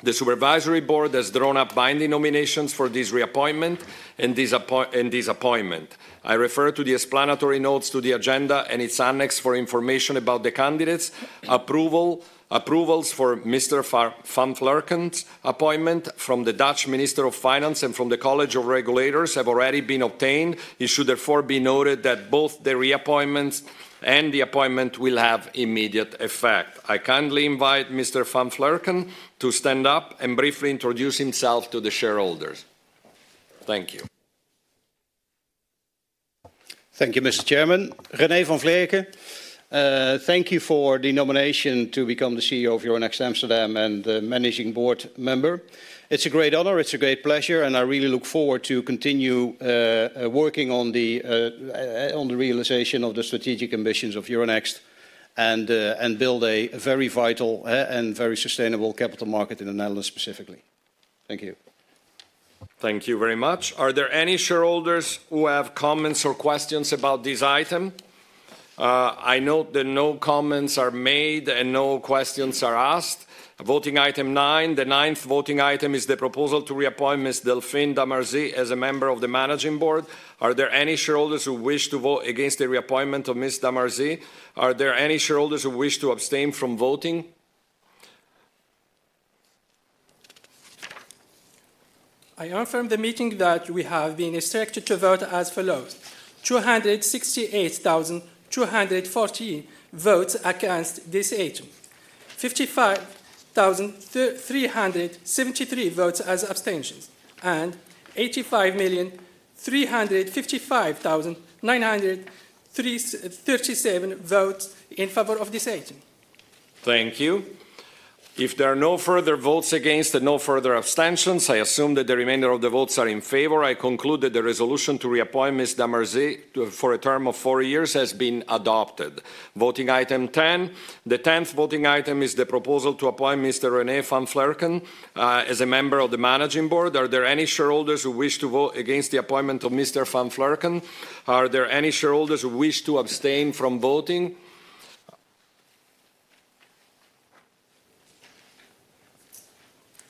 The Supervisory Board has drawn up binding nominations for this reappointment and this appointment. I refer to the explanatory notes to the agenda and its annex for information about the candidates. Approvals for Mr. van Vlerken's appointment from the Dutch Minister of Finance and from the College of Regulators have already been obtained. It should therefore be noted that both the reappointments and the appointment will have immediate effect. I kindly invite Mr. van Vlerken to stand up and briefly introduce himself to the shareholders. Thank you. Thank you, Mr. Chairman. René van Vlerken, thank you for the nomination to become the CEO of Euronext Amsterdam and the managing board member. It's a great honor, it's a great pleasure, and I really look forward to continue working on the realization of the strategic ambitions of Euronext and build a very vital and very sustainable capital market in the Netherlands specifically. Thank you. Thank you very much. Are there any shareholders who have comments or questions about this item? I note that no comments are made and no questions are asked. Voting item nine, the ninth voting item is the proposal to reappoint Ms. Delphine d'Amarzit as a member of the Managing Board. Are there any shareholders who wish to vote against the reappointment of Ms. d'Amarzit? Are there any shareholders who wish to abstain from voting? I infer, the meeting that we have been instructed to vote as follows: 268,240 votes against this item, 55,373 votes as abstentions, and 85,355,937 votes in favor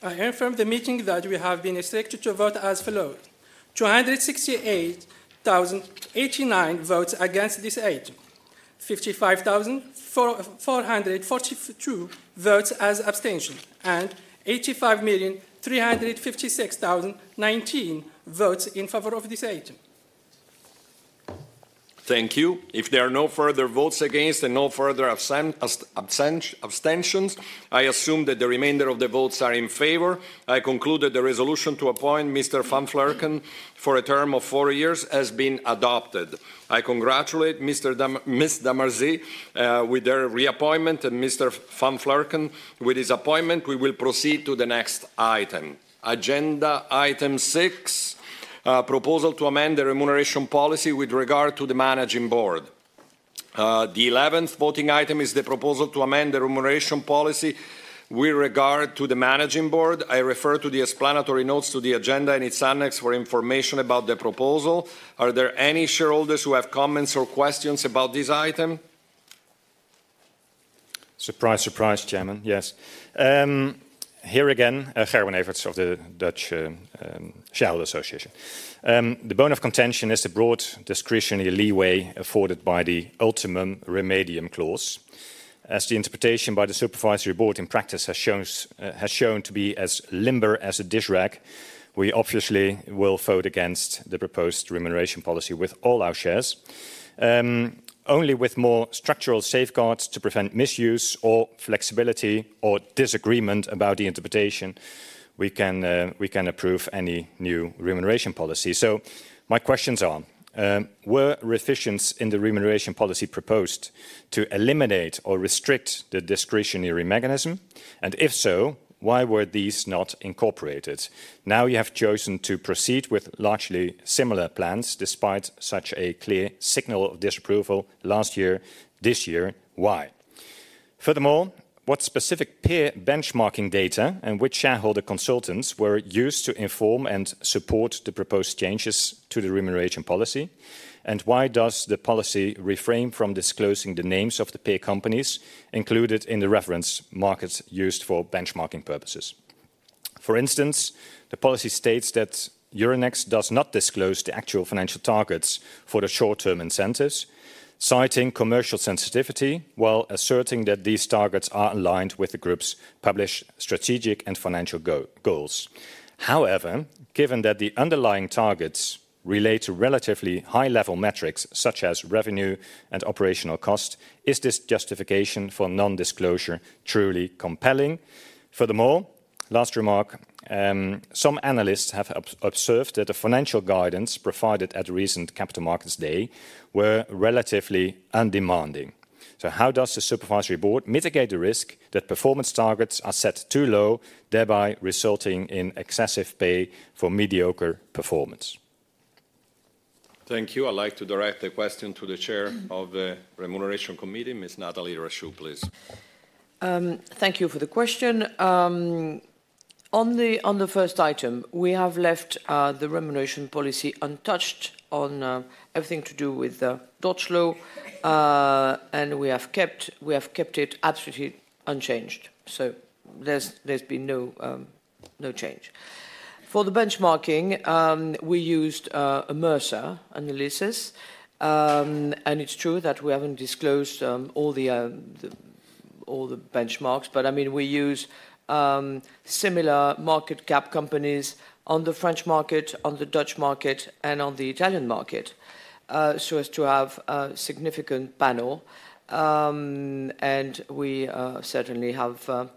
of this item. proposal to amend the remuneration policy with regard to the Managing Board. The eleventh voting item is the proposal to amend the remuneration policy with regard to the Managing Board. I refer to the explanatory notes to the agenda and its annex for information about the proposal. Are there any shareholders who have comments or questions about this item? Surprise, surprise, Chairman. Yes. Here again, Gerben Everts of the Dutch Shareholders Association. The bone of contention is the broad discretionary leeway afforded by the ultimum remedium clause. As the interpretation by the Supervisory Board in practice has shown to be as limber as a dish rack, we obviously will vote against the proposed remuneration policy with all our shares. Only with more structural safeguards to prevent misuse or flexibility or disagreement about the interpretation, we can approve any new remuneration policy. My questions are: were revisions in the remuneration policy proposed to eliminate or restrict the discretionary mechanism? If so, why were these not incorporated? Now you have chosen to proceed with largely similar plans despite such a clear signal of disapproval last year, this year, why? Furthermore, what specific peer benchmarking data and which shareholder consultants were used to inform and support the proposed changes to the remuneration policy? Why does the policy refrain from disclosing the names of the peer companies included in the reference markets used for benchmarking purposes? For instance, the policy states that Euronext does not disclose the actual financial targets for the short-term incentives, citing commercial sensitivity while asserting that these targets are aligned with the group's published strategic and financial goals. However, given that the underlying targets relate to relatively high-level metrics such as revenue and operational cost, is this justification for non-disclosure truly compelling? Furthermore, last remark, some analysts have observed that the financial guidance provided at recent Capital Markets Day were relatively undemanding. How does the Supervisory Board mitigate the risk that performance targets are set too low, thereby resulting in excessive pay for mediocre performance? Thank you. I'd like to direct the question to the Chair of the Remuneration Committee, Ms. Nathalie Rachou, please. Thank you for the question. On the first item, we have left the remuneration policy untouched on everything to do with the Dutch law, and we have kept it absolutely unchanged. There has been no change. For the benchmarking, we used a Mercer analysis, and it is true that we have not disclosed all the benchmarks, but I mean, we use similar market cap companies on the French market, on the Dutch market, and on the Italian market so as to have a significant panel. We certainly have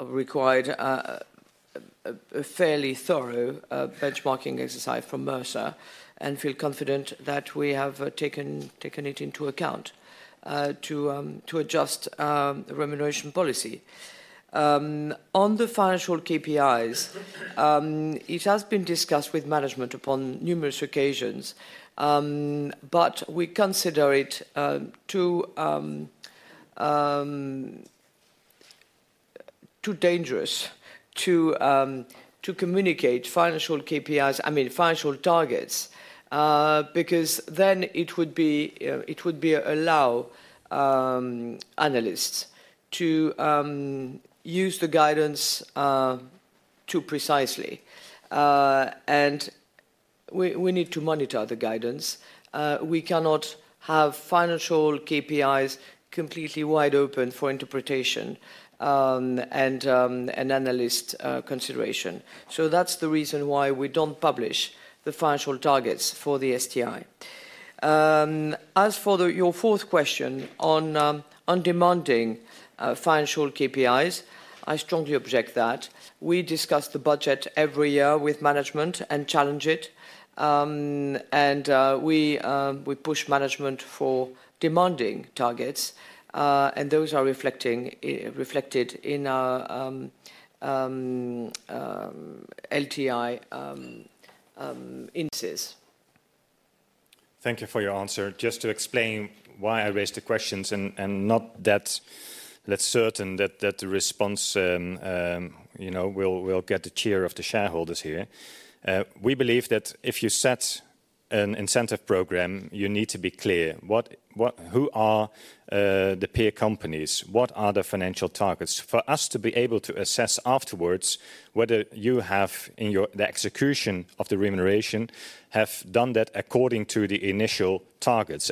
required a fairly thorough benchmarking exercise from Mercer and feel confident that we have taken it into account to adjust the remuneration policy. On the financial KPIs, it has been discussed with management upon numerous occasions, but we consider it too dangerous to communicate financial KPIs, I mean, financial targets, because then it would allow analysts to use the guidance too precisely. We need to monitor the guidance. We cannot have financial KPIs completely wide open for interpretation and analyst consideration. That is the reason why we do not publish the financial targets for the STI. As for your fourth question on undemanding financial KPIs, I strongly object to that. We discuss the budget every year with management and challenge it, and we push management for demanding targets, and those are reflected in our LTI indices. Thank you for your answer. Just to explain why I raised the questions and not that certain that the response will get the cheer of the shareholders here. We believe that if you set an incentive program, you need to be clear: who are the peer companies? What are the financial targets? For us to be able to assess afterwards whether you have, in the execution of the remuneration, done that according to the initial targets.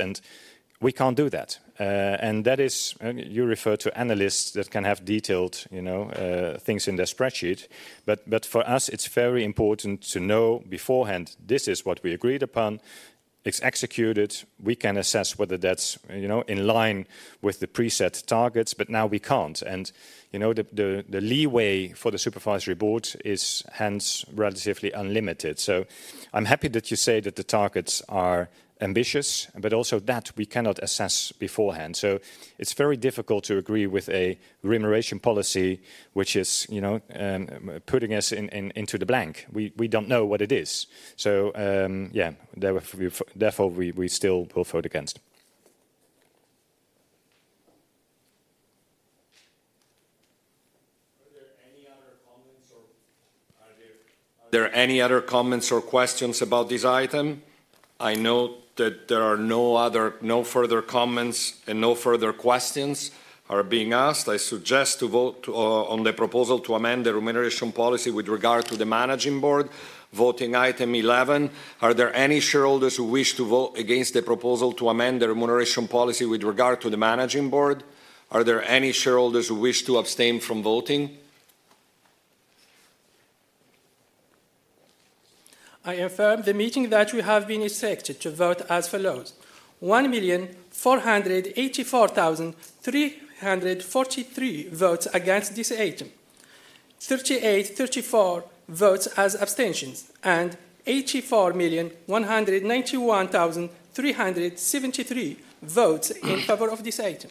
We cannot do that. That is, you refer to analysts that can have detailed things in their spreadsheet, but for us, it is very important to know beforehand: this is what we agreed upon, it is executed, we can assess whether that is in line with the preset targets, but now we cannot. The leeway for the Supervisory Board is hence relatively unlimited. I'm happy that you say that the targets are ambitious, but also that we cannot assess beforehand. It's very difficult to agree with a remuneration policy which is putting us into the blank. We don't know what it is. Yeah, therefore we still will vote against. Are there any other comments or questions about this item? I note that there are no further comments and no further questions being asked. I suggest to vote on the proposal to amend the remuneration policy with regard to the managing board, voting item 11. Are there any shareholders who wish to vote against the proposal to amend the remuneration policy with regard to the managing board? Are there any shareholders who wish to abstain from voting? I affirm the meeting that we have been instructed to vote as follows: 1,484,343 votes against this item, 38,034 votes as abstentions, and 84,191,373 votes in favor of this item.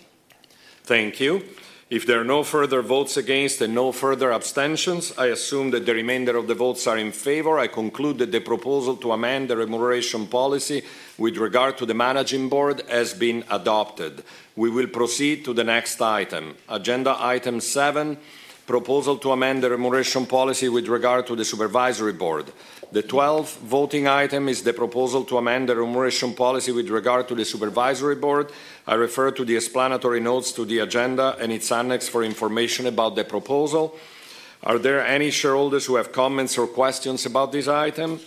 Thank you. If there are no further votes against and no further abstentions, I assume that the remainder of the votes are in favor. I conclude that the proposal to amend the remuneration policy with regard to the Managing Board has been adopted. We will proceed to the next item, agenda item seven, proposal to amend the remuneration policy with regard to the Supervisory Board. The twelfth voting item is the proposal to amend the remuneration policy with regard to the Supervisory Board. I refer to the explanatory notes to the agenda and its annex for information about the proposal. Are there any shareholders who have comments or questions about this item?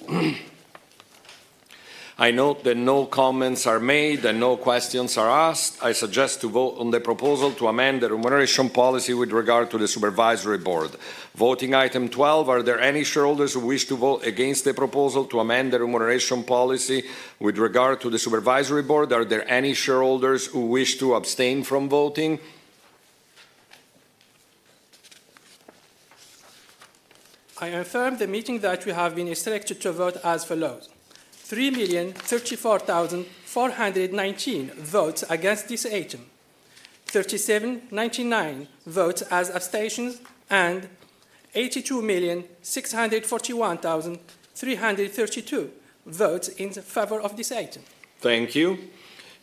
I note that no comments are made and no questions are asked. I suggest to vote on the proposal to amend the remuneration policy with regard to the Supervisory Board. Voting item twelve, are there any shareholders who wish to vote against the proposal to amend the remuneration policy with regard to the Supervisory Board? Are there any shareholders who wish to abstain from voting? I affirm the meeting that we have been instructed to vote as follows: 3,034,419 votes against this item, 37,099 votes as abstentions, and 82,641,332 votes in favor of this item. Thank you.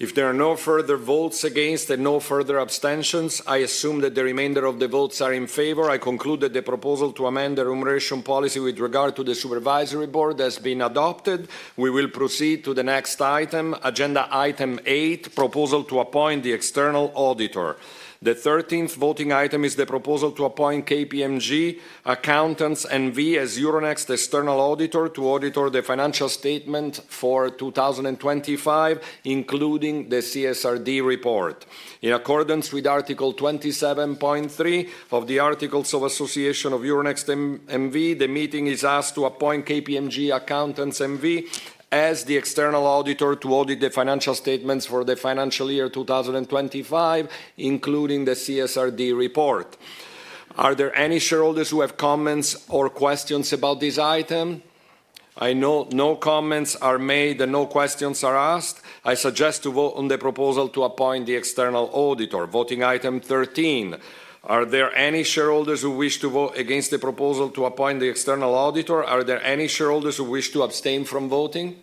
If there are no further votes against and no further abstentions, I assume that the remainder of the votes are in favor. I conclude that the proposal to amend the remuneration policy with regard to the Supervisory Board has been adopted. We will proceed to the next item, agenda item eight, proposal to appoint the external auditor. The thirteenth voting item is the proposal to appoint KPMG Accountants N.V. as Euronext external auditor to audit the financial statements for 2025, including the CSRD report. In accordance with Article 27.3 of the Articles of Association of Euronext N.V., the meeting is asked to appoint KPMG Accountants N.V. as the external auditor to audit the financial statements for the financial year 2025, including the CSRD report. Are there any shareholders who have comments or questions about this item? I know no comments are made and no questions are asked. I suggest to vote on the proposal to appoint the external auditor. Voting item thirteen, are there any shareholders who wish to vote against the proposal to appoint the external auditor? Are there any shareholders who wish to abstain from voting?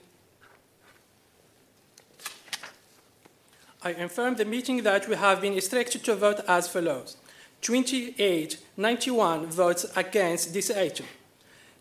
I affirm the meeting that we have been instructed to vote as follows: 28,091 votes against this item,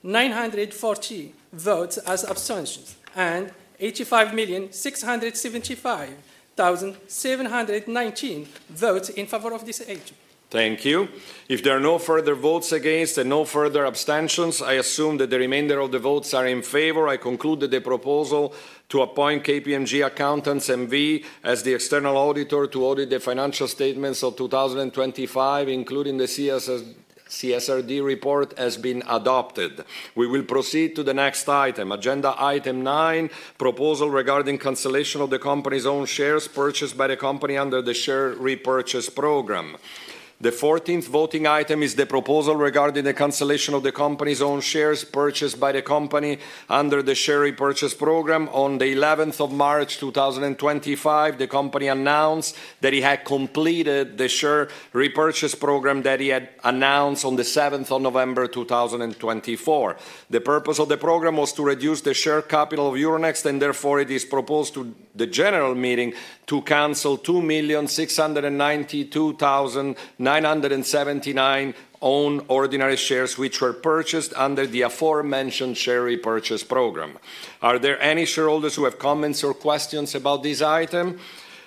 940 votes as abstentions, and 85,675,719 votes in favor of this item. Thank you. If there are no further votes against and no further abstentions, I assume that the remainder of the votes are in favor. I conclude that the proposal to appoint KPMG Accountants N.V. as the external auditor to audit the financial statements of 2025, including the CSRD report, has been adopted. We will proceed to the next item, agenda item nine, proposal regarding cancellation of the company's own shares purchased by the company under the share repurchase program. The fourteenth voting item is the proposal regarding the cancellation of the company's own shares purchased by the company under the share repurchase program. On the eleventh of March 2025, the company announced that it had completed the share repurchase program that it had announced on the seventh of November 2024. The purpose of the program was to reduce the share capital of Euronext, and therefore it is proposed to the general meeting to cancel 2,692,979 own ordinary shares which were purchased under the aforementioned share repurchase program. Are there any shareholders who have comments or questions about this item?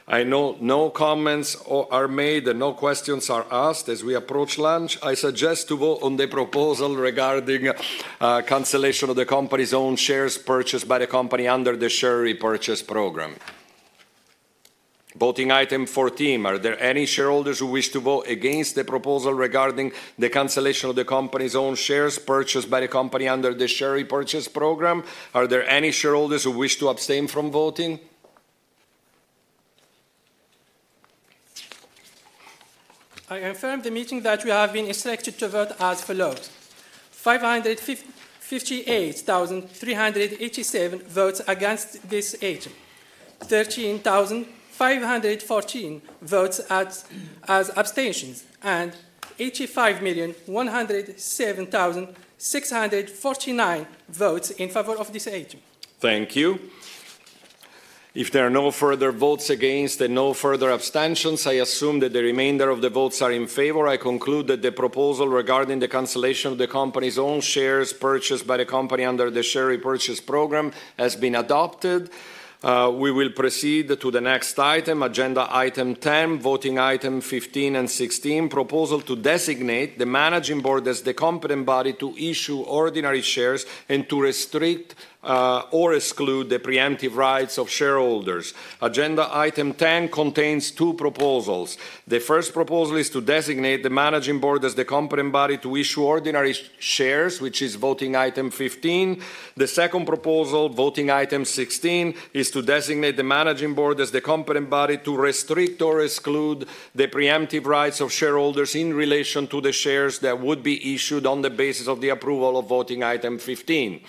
I know no comments are made and no questions are asked as we approach lunch. I suggest to vote on the proposal regarding cancellation of the company's own shares purchased by the company under the share repurchase program. Voting item fourteen, are there any shareholders who wish to vote against the proposal regarding the cancellation of the company's own shares purchased by the company under the share repurchase program? Are there any shareholders who wish to abstain from voting? I affirm the meeting that we have been instructed to vote as follows: 558,387 votes against this item, 13,514 votes as abstentions, and 85,107,649 votes in favor of this item. Thank you. If there are no further votes against and no further abstentions, I assume that the remainder of the votes are in favor. I conclude that the proposal regarding the cancellation of the company's own shares purchased by the company under the share repurchase program has been adopted. We will proceed to the next item, agenda item ten, voting item fifteen and sixteen, proposal to designate the managing board as the competent body to issue ordinary shares and to restrict or exclude the preemptive rights of shareholders. Agenda item ten contains two proposals. The first proposal is to designate the managing board as the competent body to issue ordinary shares, which is voting item fifteen. The second proposal, voting item sixteen, is to designate the Managing Board as the competent body to restrict or exclude the preemptive rights of shareholders in relation to the shares that would be issued on the basis of the approval of voting item fifteen.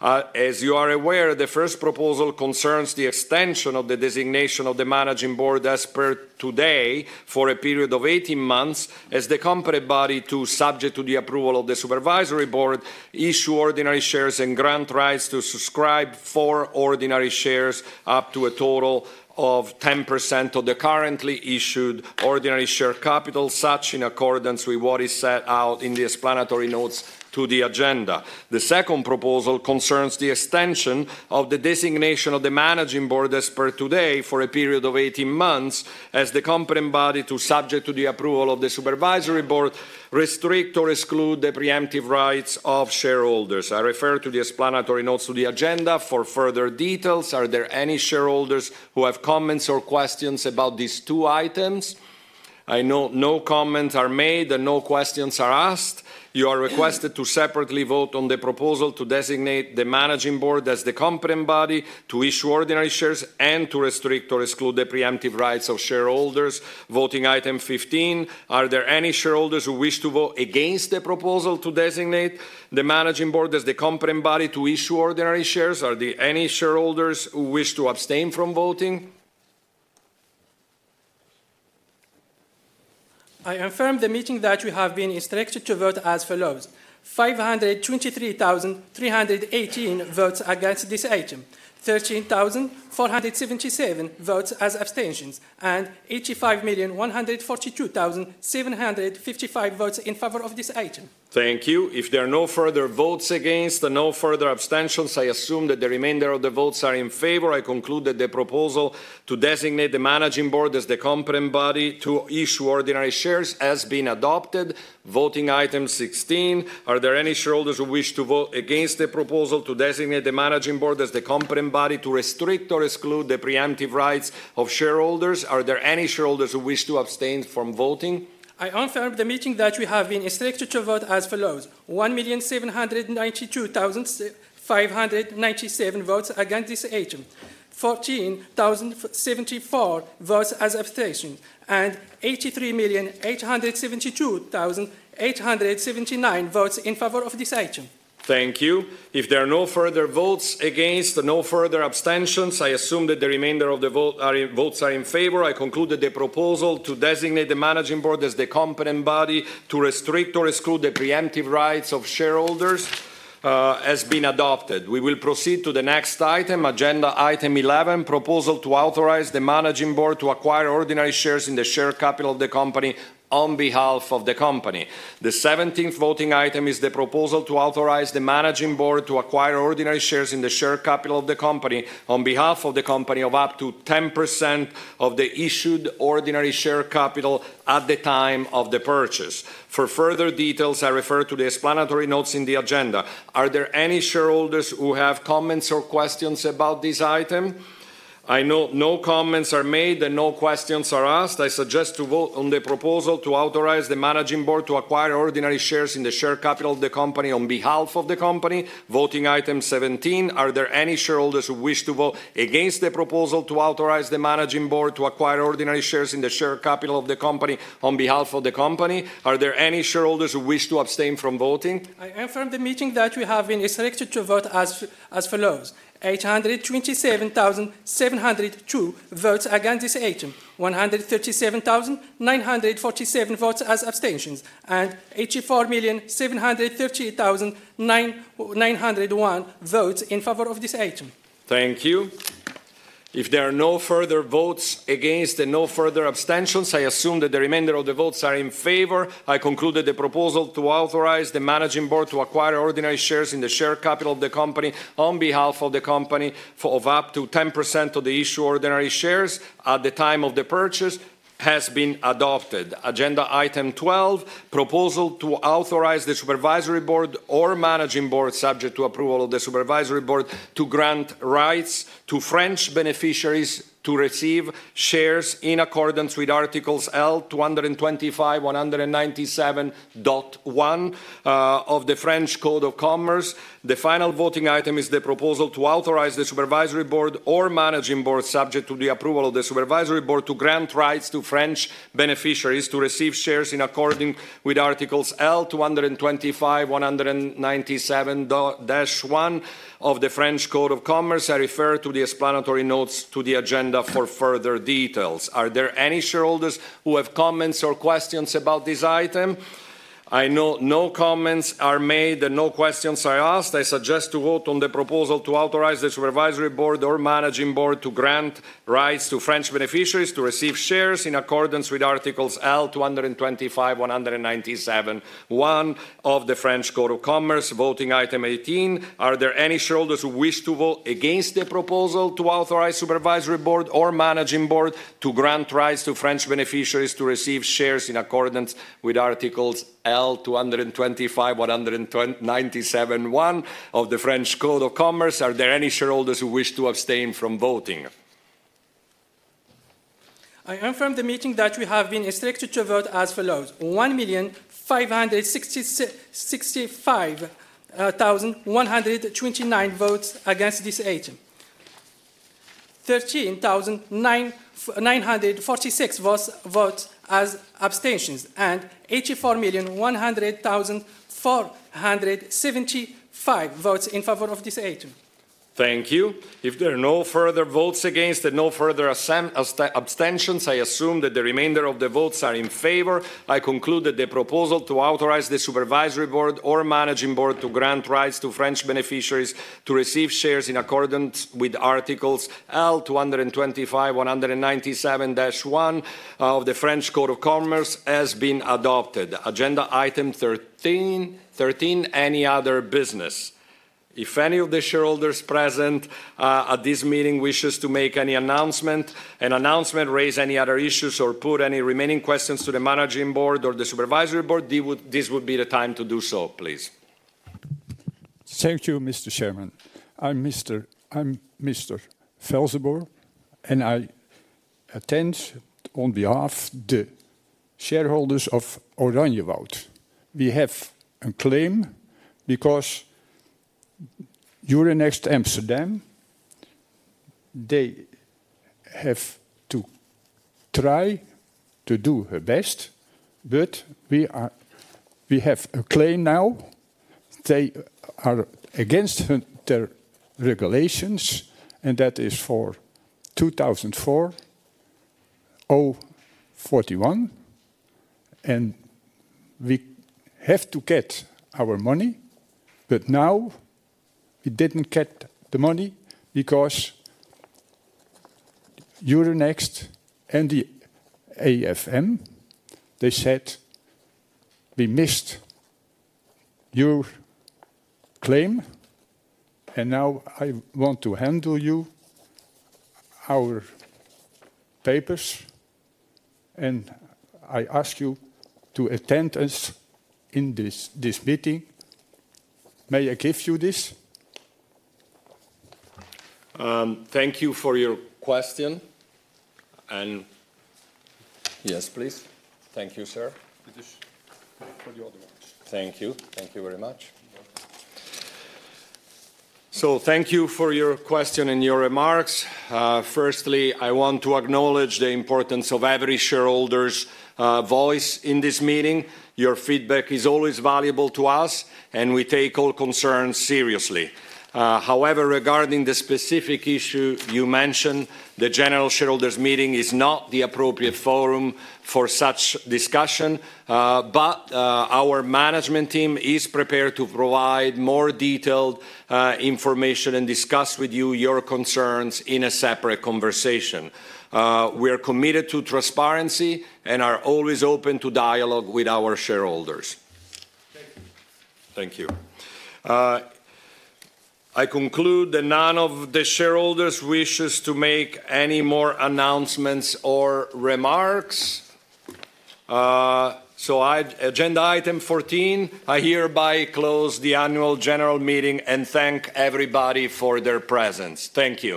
As you are aware, the first proposal concerns the extension of the designation of the Managing Board as per today for a period of eighteen months as the competent body to, subject to the approval of the Supervisory Board, issue ordinary shares and grant rights to subscribe for ordinary shares up to a total of 10% of the currently issued ordinary share capital, such in accordance with what is set out in the explanatory notes to the agenda. The second proposal concerns the extension of the designation of the managing board as per today for a period of eighteen months as the competent body to, subject to the approval of the supervisory board, restrict or exclude the preemptive rights of shareholders. I refer to the explanatory notes to the agenda. For further details, are there any shareholders who have comments or questions about these two items? I note no comments are made and no questions are asked. You are requested to separately vote on the proposal to designate the managing board as the competent body to issue ordinary shares and to restrict or exclude the preemptive rights of shareholders. Voting item fifteen, are there any shareholders who wish to vote against the proposal to designate the managing board as the competent body to issue ordinary shares? Are there any shareholders who wish to abstain from voting? I affirm the meeting that we have been instructed to vote as follows: 523,318 votes against this item, 13,477 votes as abstentions, and 85,142,755 votes in favor of this item. Thank you. If there are no further votes against and no further abstentions, I assume that the remainder of the votes are in favor. I conclude that the proposal to designate the Managing Board as the competent body to issue ordinary shares has been adopted. Voting item sixteen, are there any shareholders who wish to vote against the proposal to designate the Managing Board as the competent body to restrict or exclude the preemptive rights of shareholders? Are there any shareholders who wish to abstain from voting? I affirm the meeting that we have been instructed to vote as follows: 1,792,597 votes against this item, 14,074 votes as abstentions, and 83,872,879 votes in favor of this item. Thank you. If there are no further votes against and no further abstentions, I assume that the remainder of the votes are in favor. I conclude that the proposal to designate the Managing Board as the competent body to restrict or exclude the preemptive rights of shareholders has been adopted. We will proceed to the next item, agenda item eleven, proposal to authorize the Managing Board to acquire ordinary shares in the share capital of the company on behalf of the company. The seventeenth voting item is the proposal to authorize the Managing Board to acquire ordinary shares in the share capital of the company on behalf of the company of up to 10% of the issued ordinary share capital at the time of the purchase. For further details, I refer to the explanatory notes in the agenda. Are there any shareholders who have comments or questions about this item? I note no comments are made and no questions are asked. I suggest to vote on the proposal to authorize the Managing Board to acquire ordinary shares in the share capital of the company on behalf of the company. Voting item seventeen, are there any shareholders who wish to vote against the proposal to authorize the Managing Board to acquire ordinary shares in the share capital of the company on behalf of the company? Are there any shareholders who wish to abstain from voting? I affirm the meeting that we have been instructed to vote as follows: 827,702 votes against this item, 137,947 votes as abstentions, and 84,738,901 votes in favor of this item. Thank you. If there are no further votes against and no further abstentions, I assume that the remainder of the votes are in favor. I conclude that the proposal to authorize the Managing Board to acquire ordinary shares in the share capital of the company on behalf of the company of up to 10% of the issued ordinary shares at the time of the purchase has been adopted. Agenda item twelve, proposal to authorize the Supervisory Board or Managing Board, subject to approval of the Supervisory Board, to grant rights to French beneficiaries to receive shares in accordance with Articles L225-197-1 of the French Code of commerce. The final voting item is the proposal to authorize the Supervisory Board or Managing Board, subject to the approval of the Supervisory Board, to grant rights to French beneficiaries to receive shares in accordance with Articles L225- 197-1 of the French Code of Commerce. I refer to the explanatory notes to the agenda for further details. Are there any shareholders who have comments or questions about this item? I note no comments are made and no questions are asked. I suggest to vote on the proposal to authorize the Supervisory Board or Managing Board to grant rights to French beneficiaries to receive shares in accordance with Articles L225-197-1 of the French Code of commerce. Voting item eighteen, are there any shareholders who wish to vote against the proposal to authorize the Supervisory Board or Managing Board to grant rights to French beneficiaries to receive shares in accordance with Articles L225- 197-1 of the French Code of commerce? Are there any shareholders who wish to abstain from voting? I affirm the meeting that we have been instructed to vote as follows: 1,565,129 votes against this item, 13,946 votes as abstentions, and 84,100,475 votes in favor of this item. Thank you. If there are no further votes against and no further abstentions, I assume that the remainder of the votes are in favor. I conclude that the proposal to authorize the Supervisory Board or Managing Board to grant rights to French beneficiaries to receive shares in accordance with Articles L225-197-1 of the French Code of commerce has been adopted. Agenda item thirteen, any other business? If any of the shareholders present at this meeting wishes to make any announcement, an announcement, raise any other issues, or put any remaining questions to the Managing Board or the Supervisory Board, this would be the time to do so. Please. Thank you, Mr. Chairman. I'm Mr. Velzeboer, and I attend on behalf of the shareholders of Oranjewoud. We have a claim because Euronext Amsterdam, they have to try to do their best, but we have a claim now. They are against their regulations, and that is for 2004-041, and we have to get our money. Now we didn't get the money because Euronext and the AFM, they said, "We missed your claim, and now I want to handle you our papers, and I ask you to attend us in this meeting." May I give you this? Thank you for your question. Yes, please. Thank you, sir. Thank you very much. Thank you for your question and your remarks. Firstly, I want to acknowledge the importance of every shareholder's voice in this meeting. Your feedback is always valuable to us, and we take all concerns seriously. However, regarding the specific issue you mentioned, the General Shareholders' Meeting is not the appropriate forum for such discussion, but our management team is prepared to provide more detailed information and discuss with you your concerns in a separate conversation. We are committed to transparency and are always open to dialogue with our shareholders. Thank you. I conclude that none of the shareholders wishes to make any more announcements or remarks. Agenda item fourteen, I hereby close the annual general meeting and thank everybody for their presence. Thank you.